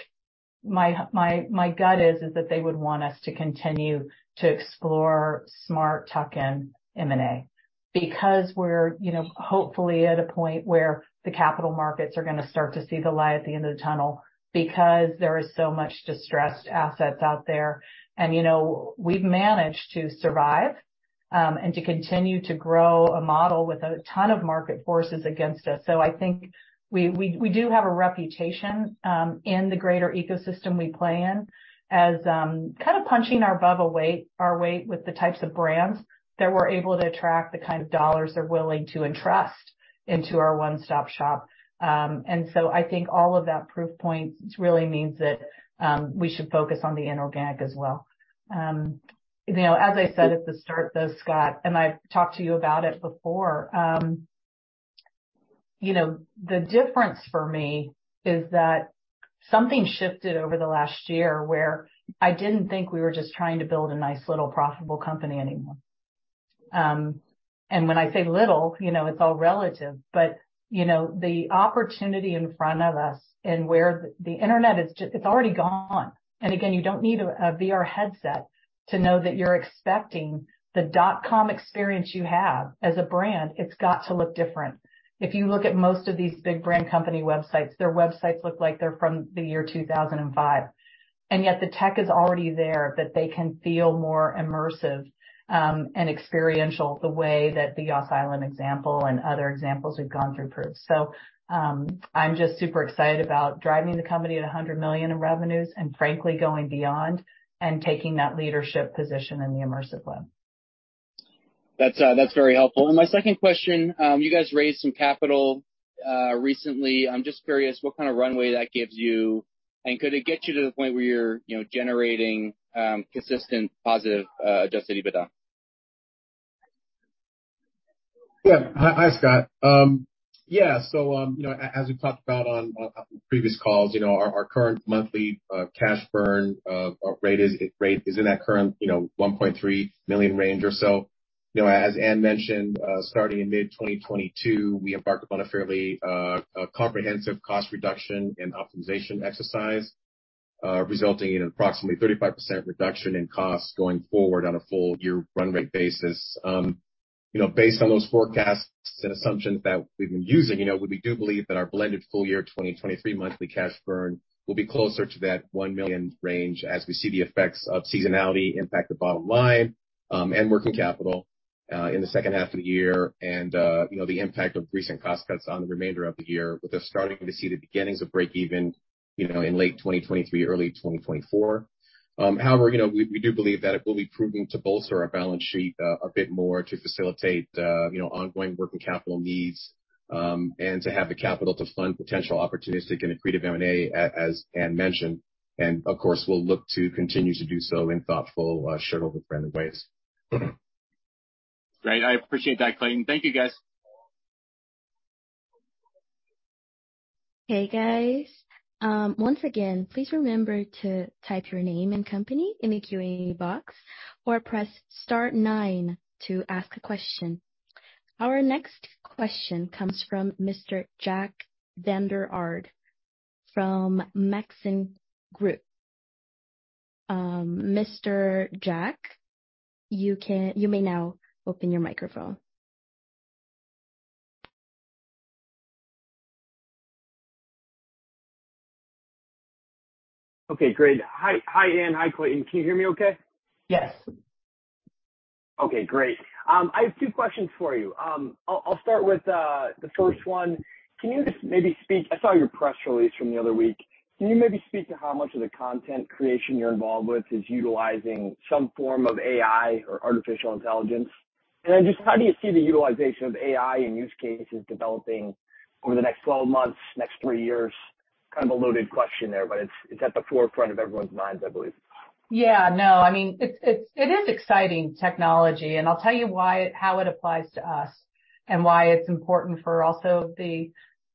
my gut is that they would want us to continue to explore smart tuck-in M&A, because we're, you know, hopefully at a point where the capital markets are going to start to see the light at the end of the tunnel, because there is so much distressed assets out there. You know, we've managed to survive, and to continue to grow a model with a ton of market forces against us. I think we do have a reputation in the greater ecosystem we play in as kind of punching above our weight with the types of brands that we're able to attract the kind of dollars they're willing to entrust into our one-stop shop. I think all of that proof points really means that we should focus on the inorganic as well. You know, as I said at the start, though, Scott, and I've talked to you about it before, you know, the difference for me is that something shifted over the last year where I didn't think we were just trying to build a nice little profitable company anymore. When I say little, you know, it's all relative, but, you know, the opportunity in front of us and where the internet is just... It's already gone. Again, you don't need a VR headset to know that you're expecting the dot-com experience you have as a brand, it's got to look different. If you look at most of these big brand company websites, their websites look like they're from the year 2005, yet the tech is already there, that they can feel more immersive and experiential, the way that the Yas Island example and other examples we've gone through proves. I'm just super excited about driving the company at $100 million in revenues and frankly, going beyond and taking that leadership position in the immersive web. That's very helpful. My second question, you guys raised some capital, recently. I'm just curious what kind of runway that gives you, and could it get you to the point where you're, you know, generating, consistent, positive, adjusted EBITDA? Hi, Scott. As we've talked about on previous calls, our current monthly cash burn rate is in that current, you know, $1.3 million range or so. As Ann mentioned, starting in May 2022, we embarked upon a fairly comprehensive cost reduction and optimization exercise, resulting in approximately 35% reduction in costs going forward on a full year run rate basis. Based on those forecasts and assumptions that we've been using, we do believe that our blended full year 2023 monthly cash burn will be closer to that $1 million range as we see the effects of seasonality impact the bottom line and working capital in the second half of the year. you know, the impact of recent cost cuts on the remainder of the year, with us starting to see the beginnings of breakeven, you know, in late 2023, early 2024. However, you know, we do believe that it will be proving to bolster our balance sheet, a bit more to facilitate, you know, ongoing working capital needs, and to have the capital to fund potential opportunistic and accretive M&A, as Ann mentioned, and of course, we'll look to continue to do so in thoughtful, shareholder-friendly ways. Great. I appreciate that, Clayton. Thank you, guys. Hey, guys. Once again, please remember to type your name and company in the Q&A box or press star nine to ask a question. Our next question comes from Mr. Jack Vander Aarde, from Maxim Group. Mr. Jack, you may now open your microphone. Okay, great. Hi. Hi, Ann. Hi, Clayton. Can you hear me okay? Yes. Okay, great. I have two questions for you. I'll start with the first one. Can you just maybe speak. I saw your press release from the other week. Can you maybe speak to how much of the content creation you're involved with is utilizing some form of AI or artificial intelligence? Just how do you see the utilization of AI and use cases developing over the next 12 months, next 3 years? Kind of a loaded question there, but it's at the forefront of everyone's minds, I believe. Yeah, no, I mean, it is exciting technology, and I'll tell you why, how it applies to us and why it's important for also the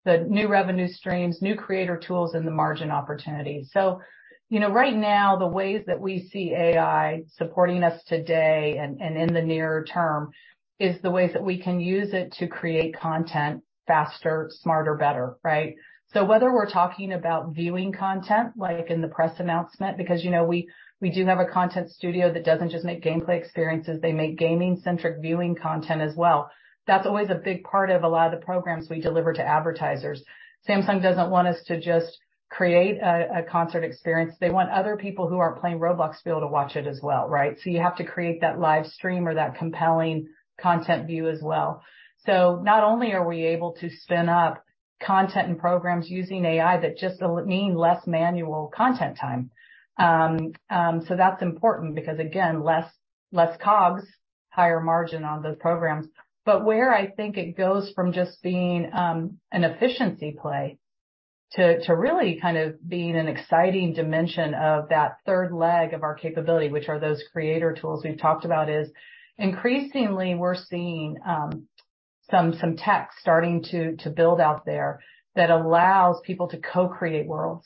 new revenue streams, new creator tools, and the margin opportunities. You know, right now, the ways that we see AI supporting us today and in the near term, is the ways that we can use it to create content faster, smarter, better, right? Whether we're talking about viewing content, like in the press announcement, because, you know, we do have a content studio that doesn't just make gameplay experiences, they make gaming-centric viewing content as well. That's always a big part of a lot of the programs we deliver to advertisers. Samsung doesn't want us to just create a concert experience. They want other people who are playing Roblox to be able to watch it as well, right? You have to create that live stream or that compelling content view as well. Not only are we able to spin up content and programs using AI, that just will mean less manual content time. So that's important because, again, less cogs, higher margin on those programs. Where I think it goes from just being an efficiency play to really kind of being an exciting dimension of that third leg of our capability, which are those creator tools we've talked about, is increasingly we're seeing some tech starting to build out there that allows people to co-create worlds.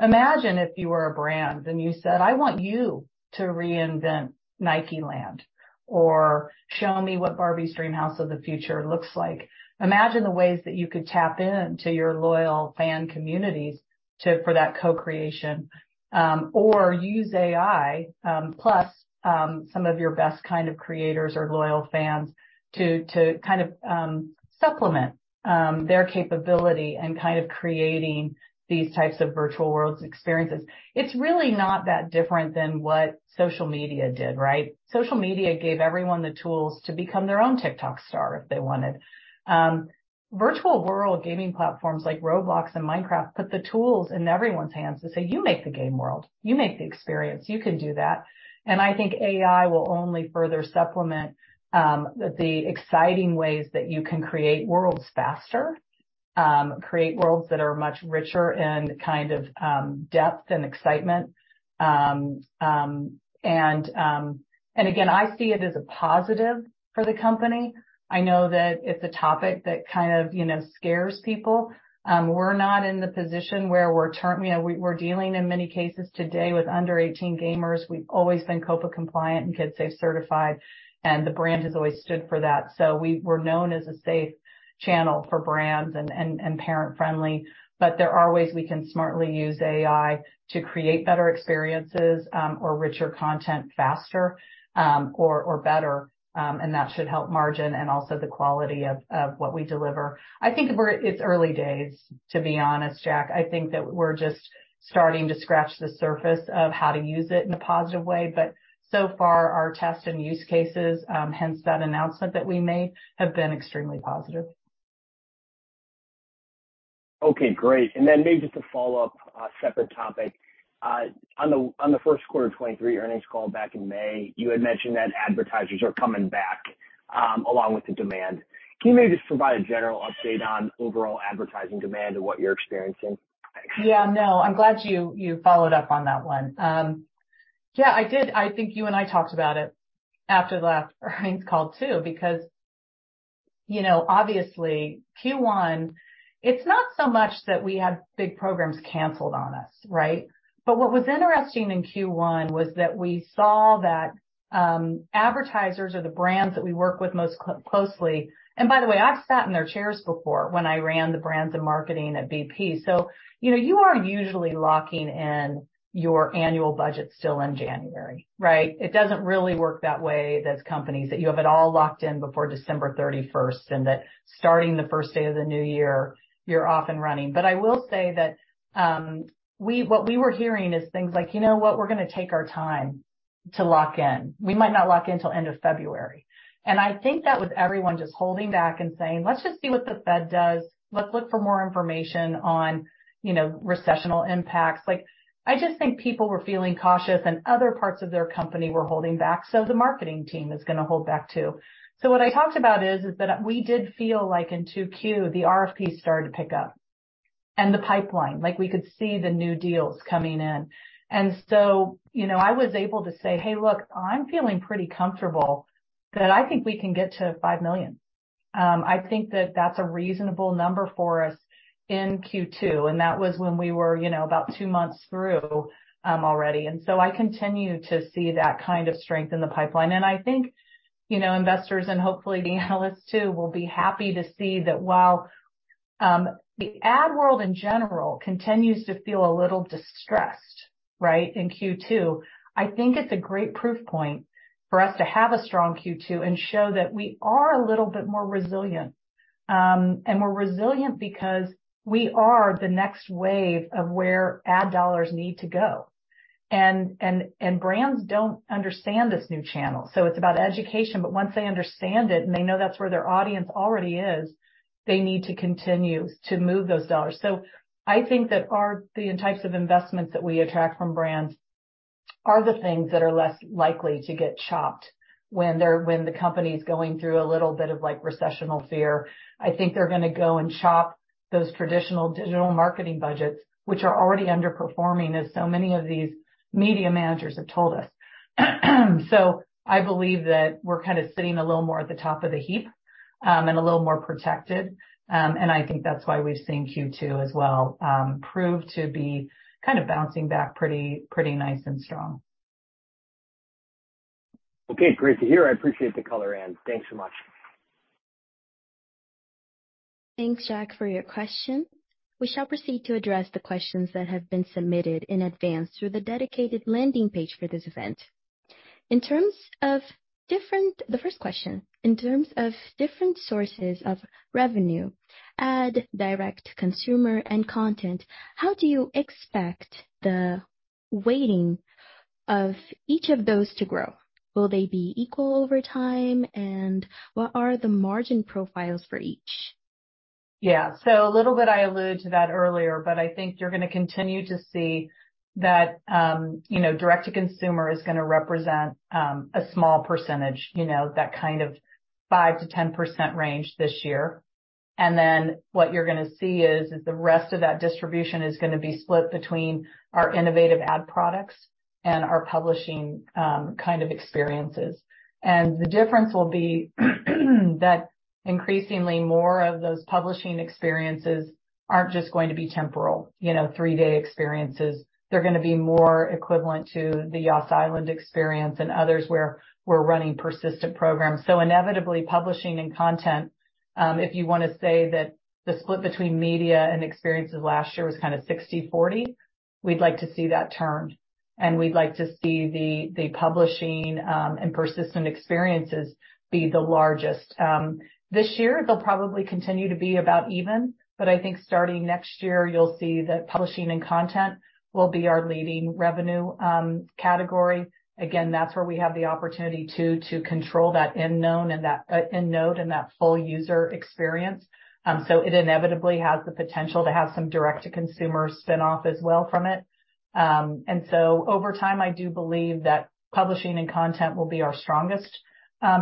Imagine if you were a brand, and you said, "I want you to reinvent NIKELAND," or, "Show me what Barbie Dreamhouse of the future looks like." Imagine the ways that you could tap in to your loyal fan communities for that co-creation, or use AI, plus some of your best kind of creators or loyal fans to kind of supplement their capability in kind of creating these types of virtual worlds experiences. It's really not that different than what social media did, right? Social media gave everyone the tools to become their own TikTok star if they wanted. Virtual world gaming platforms like Roblox and Minecraft, put the tools in everyone's hands to say, "You make the game world. You make the experience. You can do that. I think AI will only further supplement the exciting ways that you can create worlds faster, create worlds that are much richer in kind of depth and excitement. Again, I see it as a positive for the company. I know that it's a topic that kind of, you know, scares people. We're not in the position where, you know, we're dealing in many cases today with under 18 gamers. We've always been COPPA compliant and KidSafe certified, the brand has always stood for that. We're known as a safe channel for brands and parent friendly. There are ways we can smartly use AI to create better experiences, or richer content faster, or better, and that should help margin and also the quality of what we deliver. I think it's early days, to be honest, Jack. I think that we're just starting to scratch the surface of how to use it in a positive way. So far, our tests and use cases, hence that announcement that we made, have been extremely positive. Okay, great. Maybe just a follow-up, separate topic. On the Q1 23 earnings call back in May, you had mentioned that advertisers are coming back, along with the demand. Can you maybe just provide a general update on overall advertising demand and what you're experiencing? Yeah, no, I'm glad you followed up on that one. Yeah, I did. I think you and I talked about it after the last earnings call, too. You know, obviously, Q1, it's not so much that we had big programs canceled on us, right? What was interesting in Q1 was that we saw that advertisers or the brands that we work with most closely. By the way, I've sat in their chairs before when I ran the brands and marketing at BP. You know, you are usually locking in your annual budget still in January, right? It doesn't really work that way as companies, that you have it all locked in before December 31st, and that starting the first day of the new year, you're off and running. I will say that what we were hearing is things like: "You know what? We're gonna take our time to lock in. We might not lock in till end of February." I think that with everyone just holding back and saying: "Let's just see what the Fed does. Let's look for more information on, you know, recessional impacts." Like, I just think people were feeling cautious, and other parts of their company were holding back, so the marketing team is gonna hold back, too. What I talked about is that we did feel like in Q2, the RFP started to pick up, and the pipeline, like, we could see the new deals coming in. You know, I was able to say, "Hey, look, I'm feeling pretty comfortable that I think we can get to $5 million." I think that that's a reasonable number for us in Q2, and that was when we were, you know, about two months through already. I continue to see that kind of strength in the pipeline. I think, you know, investors and hopefully the analysts, too, will be happy to see that while the ad world in general continues to feel a little distressed, right, in Q2, I think it's a great proof point for us to have a strong Q2 and show that we are a little bit more resilient. We're resilient because we are the next wave of where ad dollars need to go. brands don't understand this new channel, so it's about education, but once they understand it, and they know that's where their audience already is, they need to continue to move those dollars. I think that the types of investments that we attract from brands are the things that are less likely to get chopped when the company's going through a little bit of, like, recessional fear. I think they're gonna go and chop those traditional digital marketing budgets, which are already underperforming, as so many of these media managers have told us. I believe that we're kind of sitting a little more at the top of the heap, and a little more protected. I think that's why we've seen Q2 as well prove to be kind of bouncing back pretty nice and strong. Okay, great to hear. I appreciate the color, Ann. Thanks so much. Thanks, Jack, for your question. We shall proceed to address the questions that have been submitted in advance through the dedicated landing page for this event. The first question, in terms of different sources of revenue, ad, direct, consumer, and content, how do you expect the weighting of each of those to grow? Will they be equal over time? What are the margin profiles for each? A little bit, I alluded to that earlier, but I think you're gonna continue to see that, you know, direct to consumer is gonna represent a small percentage, you know, that kind of 5%-10% range this year. What you're gonna see is the rest of that distribution is gonna be split between our innovative ad products and our publishing kind of experiences. The difference will be, that increasingly more of those publishing experiences aren't just going to be temporal, you know, three-day experiences. They're gonna be more equivalent to the Yas Island experience and others where we're running persistent programs. Inevitably, publishing and content, if you wanna say that the split between media and experiences last year was kind of 60, 40, we'd like to see that turned, and we'd like to see the publishing and persistent experiences be the largest. This year, they'll probably continue to be about even, but I think starting next year, you'll see that publishing and content will be our leading revenue category. Again, that's where we have the opportunity to control that end known and that end note and that full user experience. It inevitably has the potential to have some direct-to-consumer spin-off as well from it. Over time, I do believe that publishing and content will be our strongest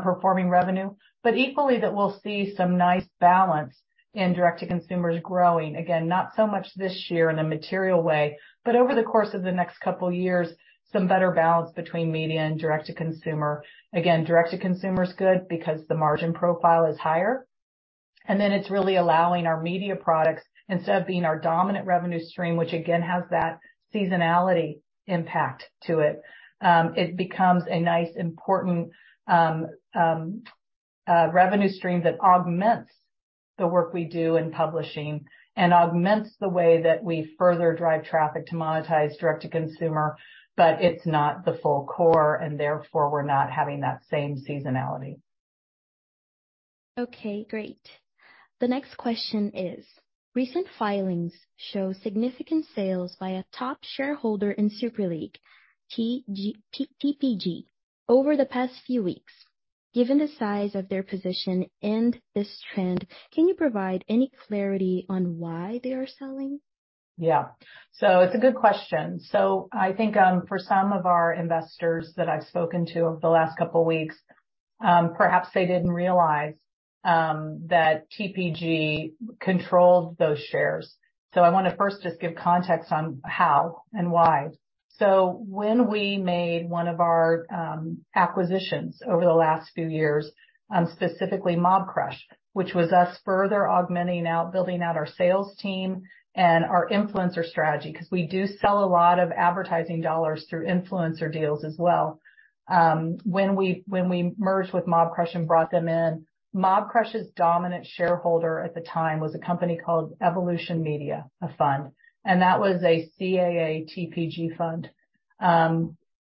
performing revenue, but equally, that we'll see some nice balance in direct-to-consumer growing. Again, not so much this year in a material way, but over the course of the next couple of years, some better balance between media and direct to consumer. Again, direct to consumer is good because the margin profile is higher, and then it's really allowing our media products, instead of being our dominant revenue stream, which again, has that seasonality impact to it becomes a nice important revenue stream that augments the work we do in publishing and augments the way that we further drive traffic to monetize direct to consumer, but it's not the full core, and therefore, we're not having that same seasonality. Okay, great. The next question is: Recent filings show significant sales by a top shareholder in Super League, TPG over the past few weeks. Given the size of their position and this trend, can you provide any clarity on why they are selling? It's a good question. I think, for some of our investors that I've spoken to over the last couple weeks, perhaps they didn't realize that TPG controlled those shares. I wanna first just give context on how and why. When we made one of our acquisitions over the last few years, specifically Mobcrush, which was us further augmenting out, building out our sales team and our influencer strategy, 'cause we do sell a lot of advertising dollars through influencer deals as well. When we merged with Mobcrush and brought them in, Mobcrush's dominant shareholder at the time was a company called Evolution Media, a fund, and that was a CAA TPG fund.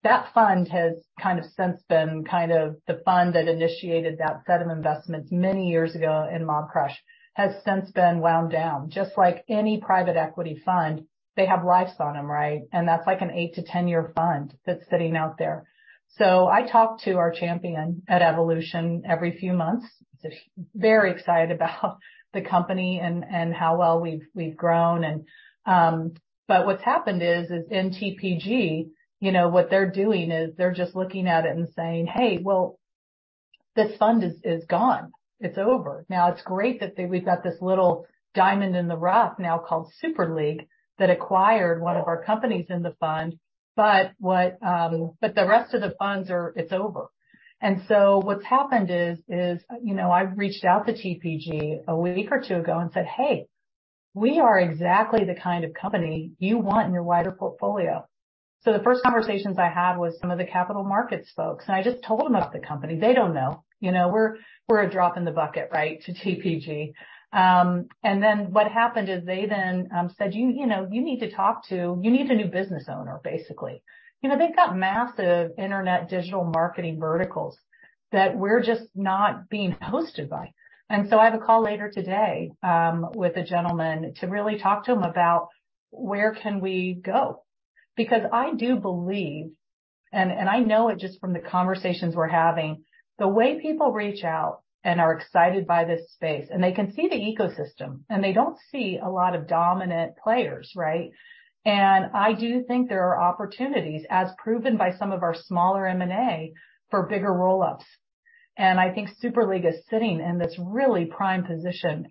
That fund has kind of since been kind of the fund that initiated that set of investments many years ago in Mobcrush, has since been wound down. Just like any private equity fund, they have lives on them, right? That's like an 8-10-year fund that's sitting out there. I talk to our champion at Evolution every few months. Just very excited about the company and how well we've grown. What's happened is in TPG, you know, what they're doing is they're just looking at it and saying, "Hey, well, this fund is gone. It's over. Now, it's great that we've got this little diamond in the rough now called Super League, that acquired one of our companies in the fund, but what. The rest of the funds are, it's over." What's happened is, you know, I've reached out to TPG a week or two ago and said, "Hey, we are exactly the kind of company you want in your wider portfolio." The first conversations I had was some of the capital markets folks, and I just told them about the company. They don't know. You know, we're a drop in the bucket, right, to TPG. What happened is they then said, "You know, you need to talk to... You need a new business owner, basically." You know, they've got massive internet digital marketing verticals that we're just not being hosted by. I have a call later today with a gentleman to really talk to him about where can we go. I do believe, and I know it just from the conversations we're having, the way people reach out and are excited by this space, and they can see the ecosystem, and they don't see a lot of dominant players, right? I do think there are opportunities, as proven by some of our smaller M&A, for bigger roll-ups. I think Super League is sitting in this really prime position.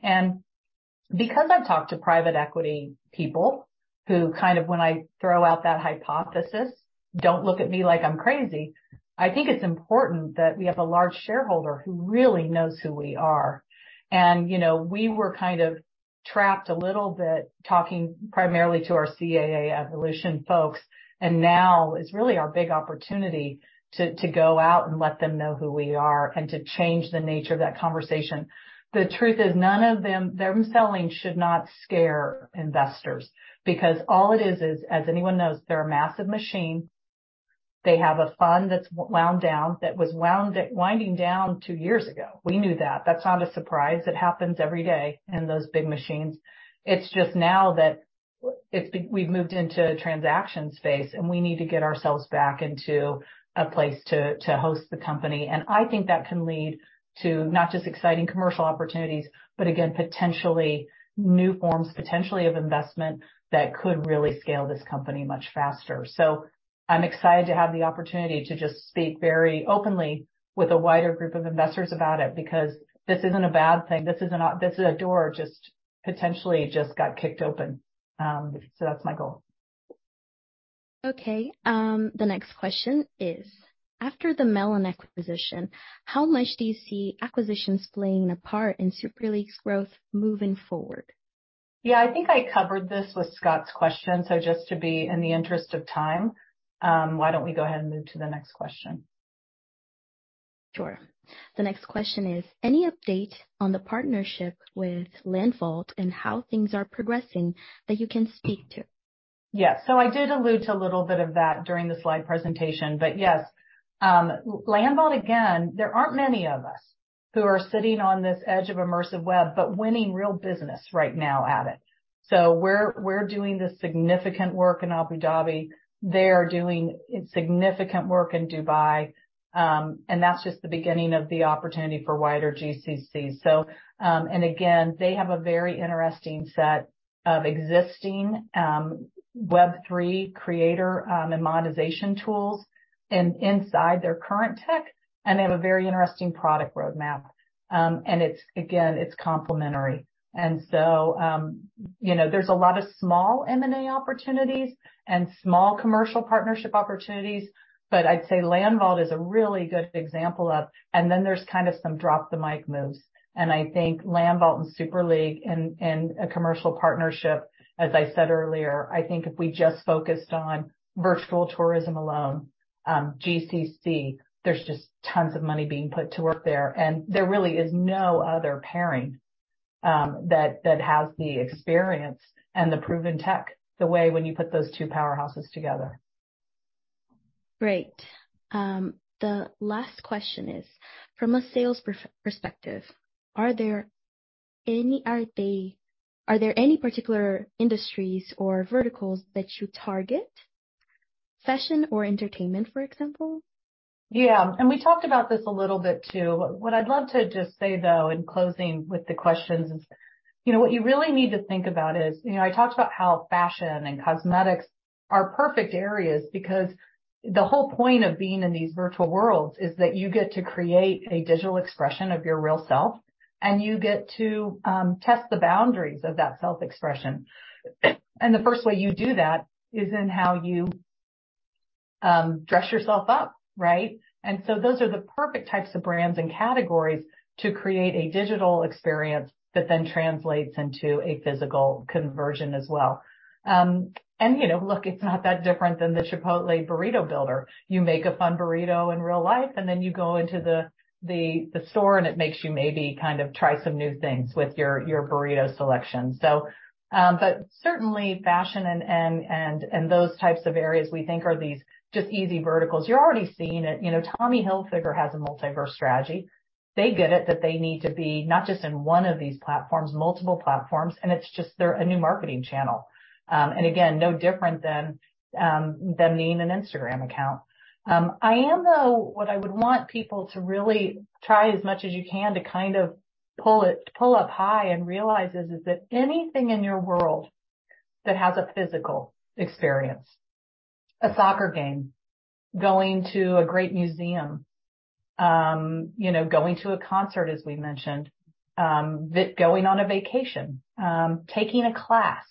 Because I've talked to private equity people, who kind of, when I throw out that hypothesis, don't look at me like I'm crazy, I think it's important that we have a large shareholder who really knows who we are. You know, we were kind of trapped a little bit, talking primarily to our CAA Evolution folks, and now it's really our big opportunity to go out and let them know who we are and to change the nature of that conversation. The truth is, none of them selling should not scare investors, because all it is, as anyone knows, they're a massive machine, they have a fund that's wound down, that was winding down 2 years ago. We knew that. That's not a surprise. It happens every day in those big machines. It's just now that we've moved into a transaction space. We need to get ourselves back into a place to host the company. I think that can lead to not just exciting commercial opportunities, but again, potentially new forms, potentially of investment, that could really scale this company much faster. I'm excited to have the opportunity to just speak very openly with a wider group of investors about it, because this isn't a bad thing. This is a door just potentially got kicked open. That's my goal. Okay. The next question is: After the MELON acquisition, how much do you see acquisitions playing a part in Super League's growth moving forward? Yeah, I think I covered this with Scott's question, so just to be in the interest of time, why don't we go ahead and move to the next question? Sure. The next question is: Any update on the partnership with LandVault and how things are progressing, that you can speak to? Yeah. I did allude to a little bit of that during the slide presentation, but yes, LandVault, again, there aren't many of us who are sitting on this edge of immersive web, but winning real business right now at it. We're doing this significant work in Abu Dhabi, they're doing significant work in Dubai, and that's just the beginning of the opportunity for wider GCC. They have a very interesting set of existing Web3 creator and monetization tools inside their current tech, and they have a very interesting product roadmap. It's, again, it's complementary. You know, there's a lot of small M&A opportunities and small commercial partnership opportunities, but I'd say LandVault is a really good example of... Then there's kind of some drop the mic moves, I think LandVault and Super League and a commercial partnership, as I said earlier, I think if we just focused on virtual tourism alone, GCC, there's just tons of money being put to work there. There really is no other pairing, that has the experience and the proven tech, the way when you put those two powerhouses together. Great. The last question is: From a sales perspective, are there any particular industries or verticals that you target? Fashion or entertainment, for example? Yeah, we talked about this a little bit, too. What I'd love to just say, though, in closing with the questions is, you know, what you really need to think about is, you know, I talked about how fashion and cosmetics are perfect areas because the whole point of being in these virtual worlds is that you get to create a digital expression of your real self, and you get to test the boundaries of that self-expression. The first way you do that is in how you dress yourself up, right? Those are the perfect types of brands and categories to create a digital experience that then translates into a physical conversion as well. You know, look, it's not that different than the Chipotle burrito builder. You make a fun burrito in real life, and then you go into the store, and it makes you maybe kind of try some new things with your burrito selection. Certainly, fashion and those types of areas we think are these just easy verticals. You're already seeing it. You know, Tommy Hilfiger has a metaverse strategy. They get it, that they need to be not just in one of these platforms, multiple platforms, and it's just they're a new marketing channel. Again, no different than them needing an Instagram account. I am, though... What I would want people to really try as much as you can to kind of pull up high and realize is that anything in your world that has a physical experience, a soccer game, going to a great museum, you know, going to a concert, as we mentioned, going on a vacation, taking a class.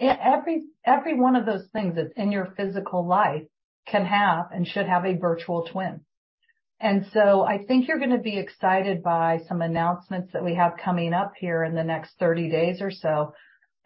Every one of those things that's in your physical life can have and should have a virtual twin. I think you're gonna be excited by some announcements that we have coming up here in the next 30 days or so,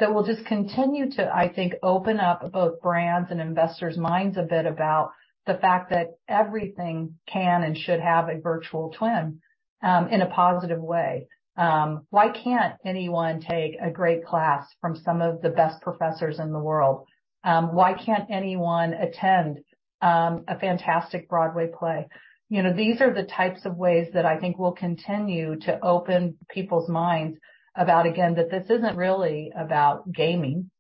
that will just continue to, I think, open up both brands and investors' minds a bit about the fact that everything can and should have a virtual twin in a positive way. Why can't anyone take a great class from some of the best professors in the world? Why can't anyone attend a fantastic Broadway play? You know, these are the types of ways that I think will continue to open people's minds about, again, that this isn't really about gaming.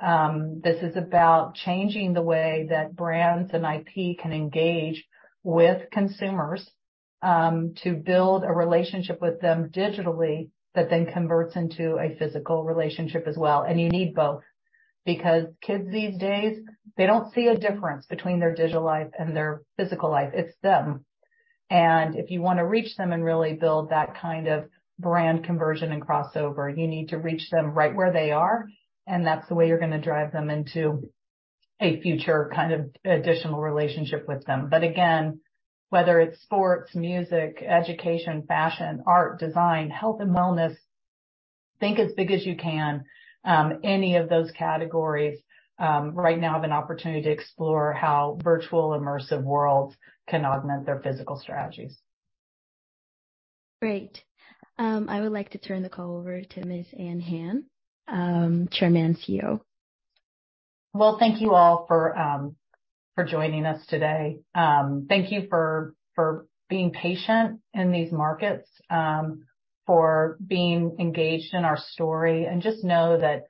This is about changing the way that brands and IP can engage with consumers to build a relationship with them digitally, that then converts into a physical relationship as well. You need both, because kids these days, they don't see a difference between their digital life and their physical life, it's them. If you wanna reach them and really build that kind of brand conversion and crossover, you need to reach them right where they are, and that's the way you're gonna drive them into a future kind of additional relationship with them. Again, whether it's sports, music, education, fashion, art, design, health and wellness, think as big as you can. Any of those categories, right now have an opportunity to explore how virtual immersive worlds can augment their physical strategies. Great. I would like to turn the call over to Ms. Ann Hand, Chairman and CEO. Well, thank you all for for joining us today. Thank you for for being patient in these markets, for being engaged in our story. Just know that,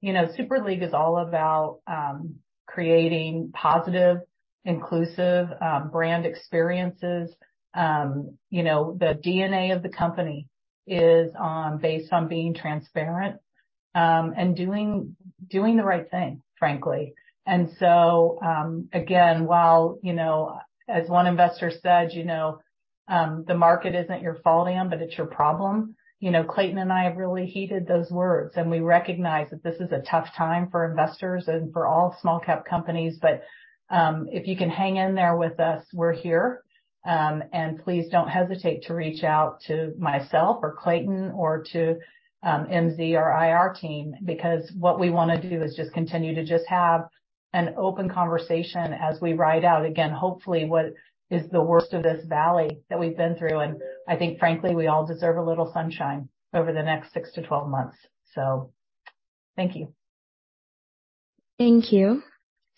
you know, Super League is all about creating positive, inclusive, brand experiences. You know, the DNA of the company is based on being transparent, and doing the right thing, frankly. Again, while, you know, as one investor said, you know, "The market isn't your fault, Ann, but it's your problem." You know, Clayton Haynes and I have really heeded those words, and we recognize that this is a tough time for investors and for all small cap companies, but if you can hang in there with us, we're here. Please don't hesitate to reach out to myself, or Clayton, or to, MZ, or IR team, because what we wanna do is just continue to just have an open conversation as we ride out, again, hopefully, what is the worst of this valley that we've been through. I think frankly, we all deserve a little sunshine over the next six to 12 months. Thank you. Thank you.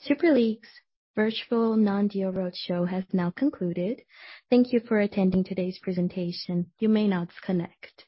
Super League's virtual non-deal roadshow has now concluded. Thank you for attending today's presentation. You may now disconnect.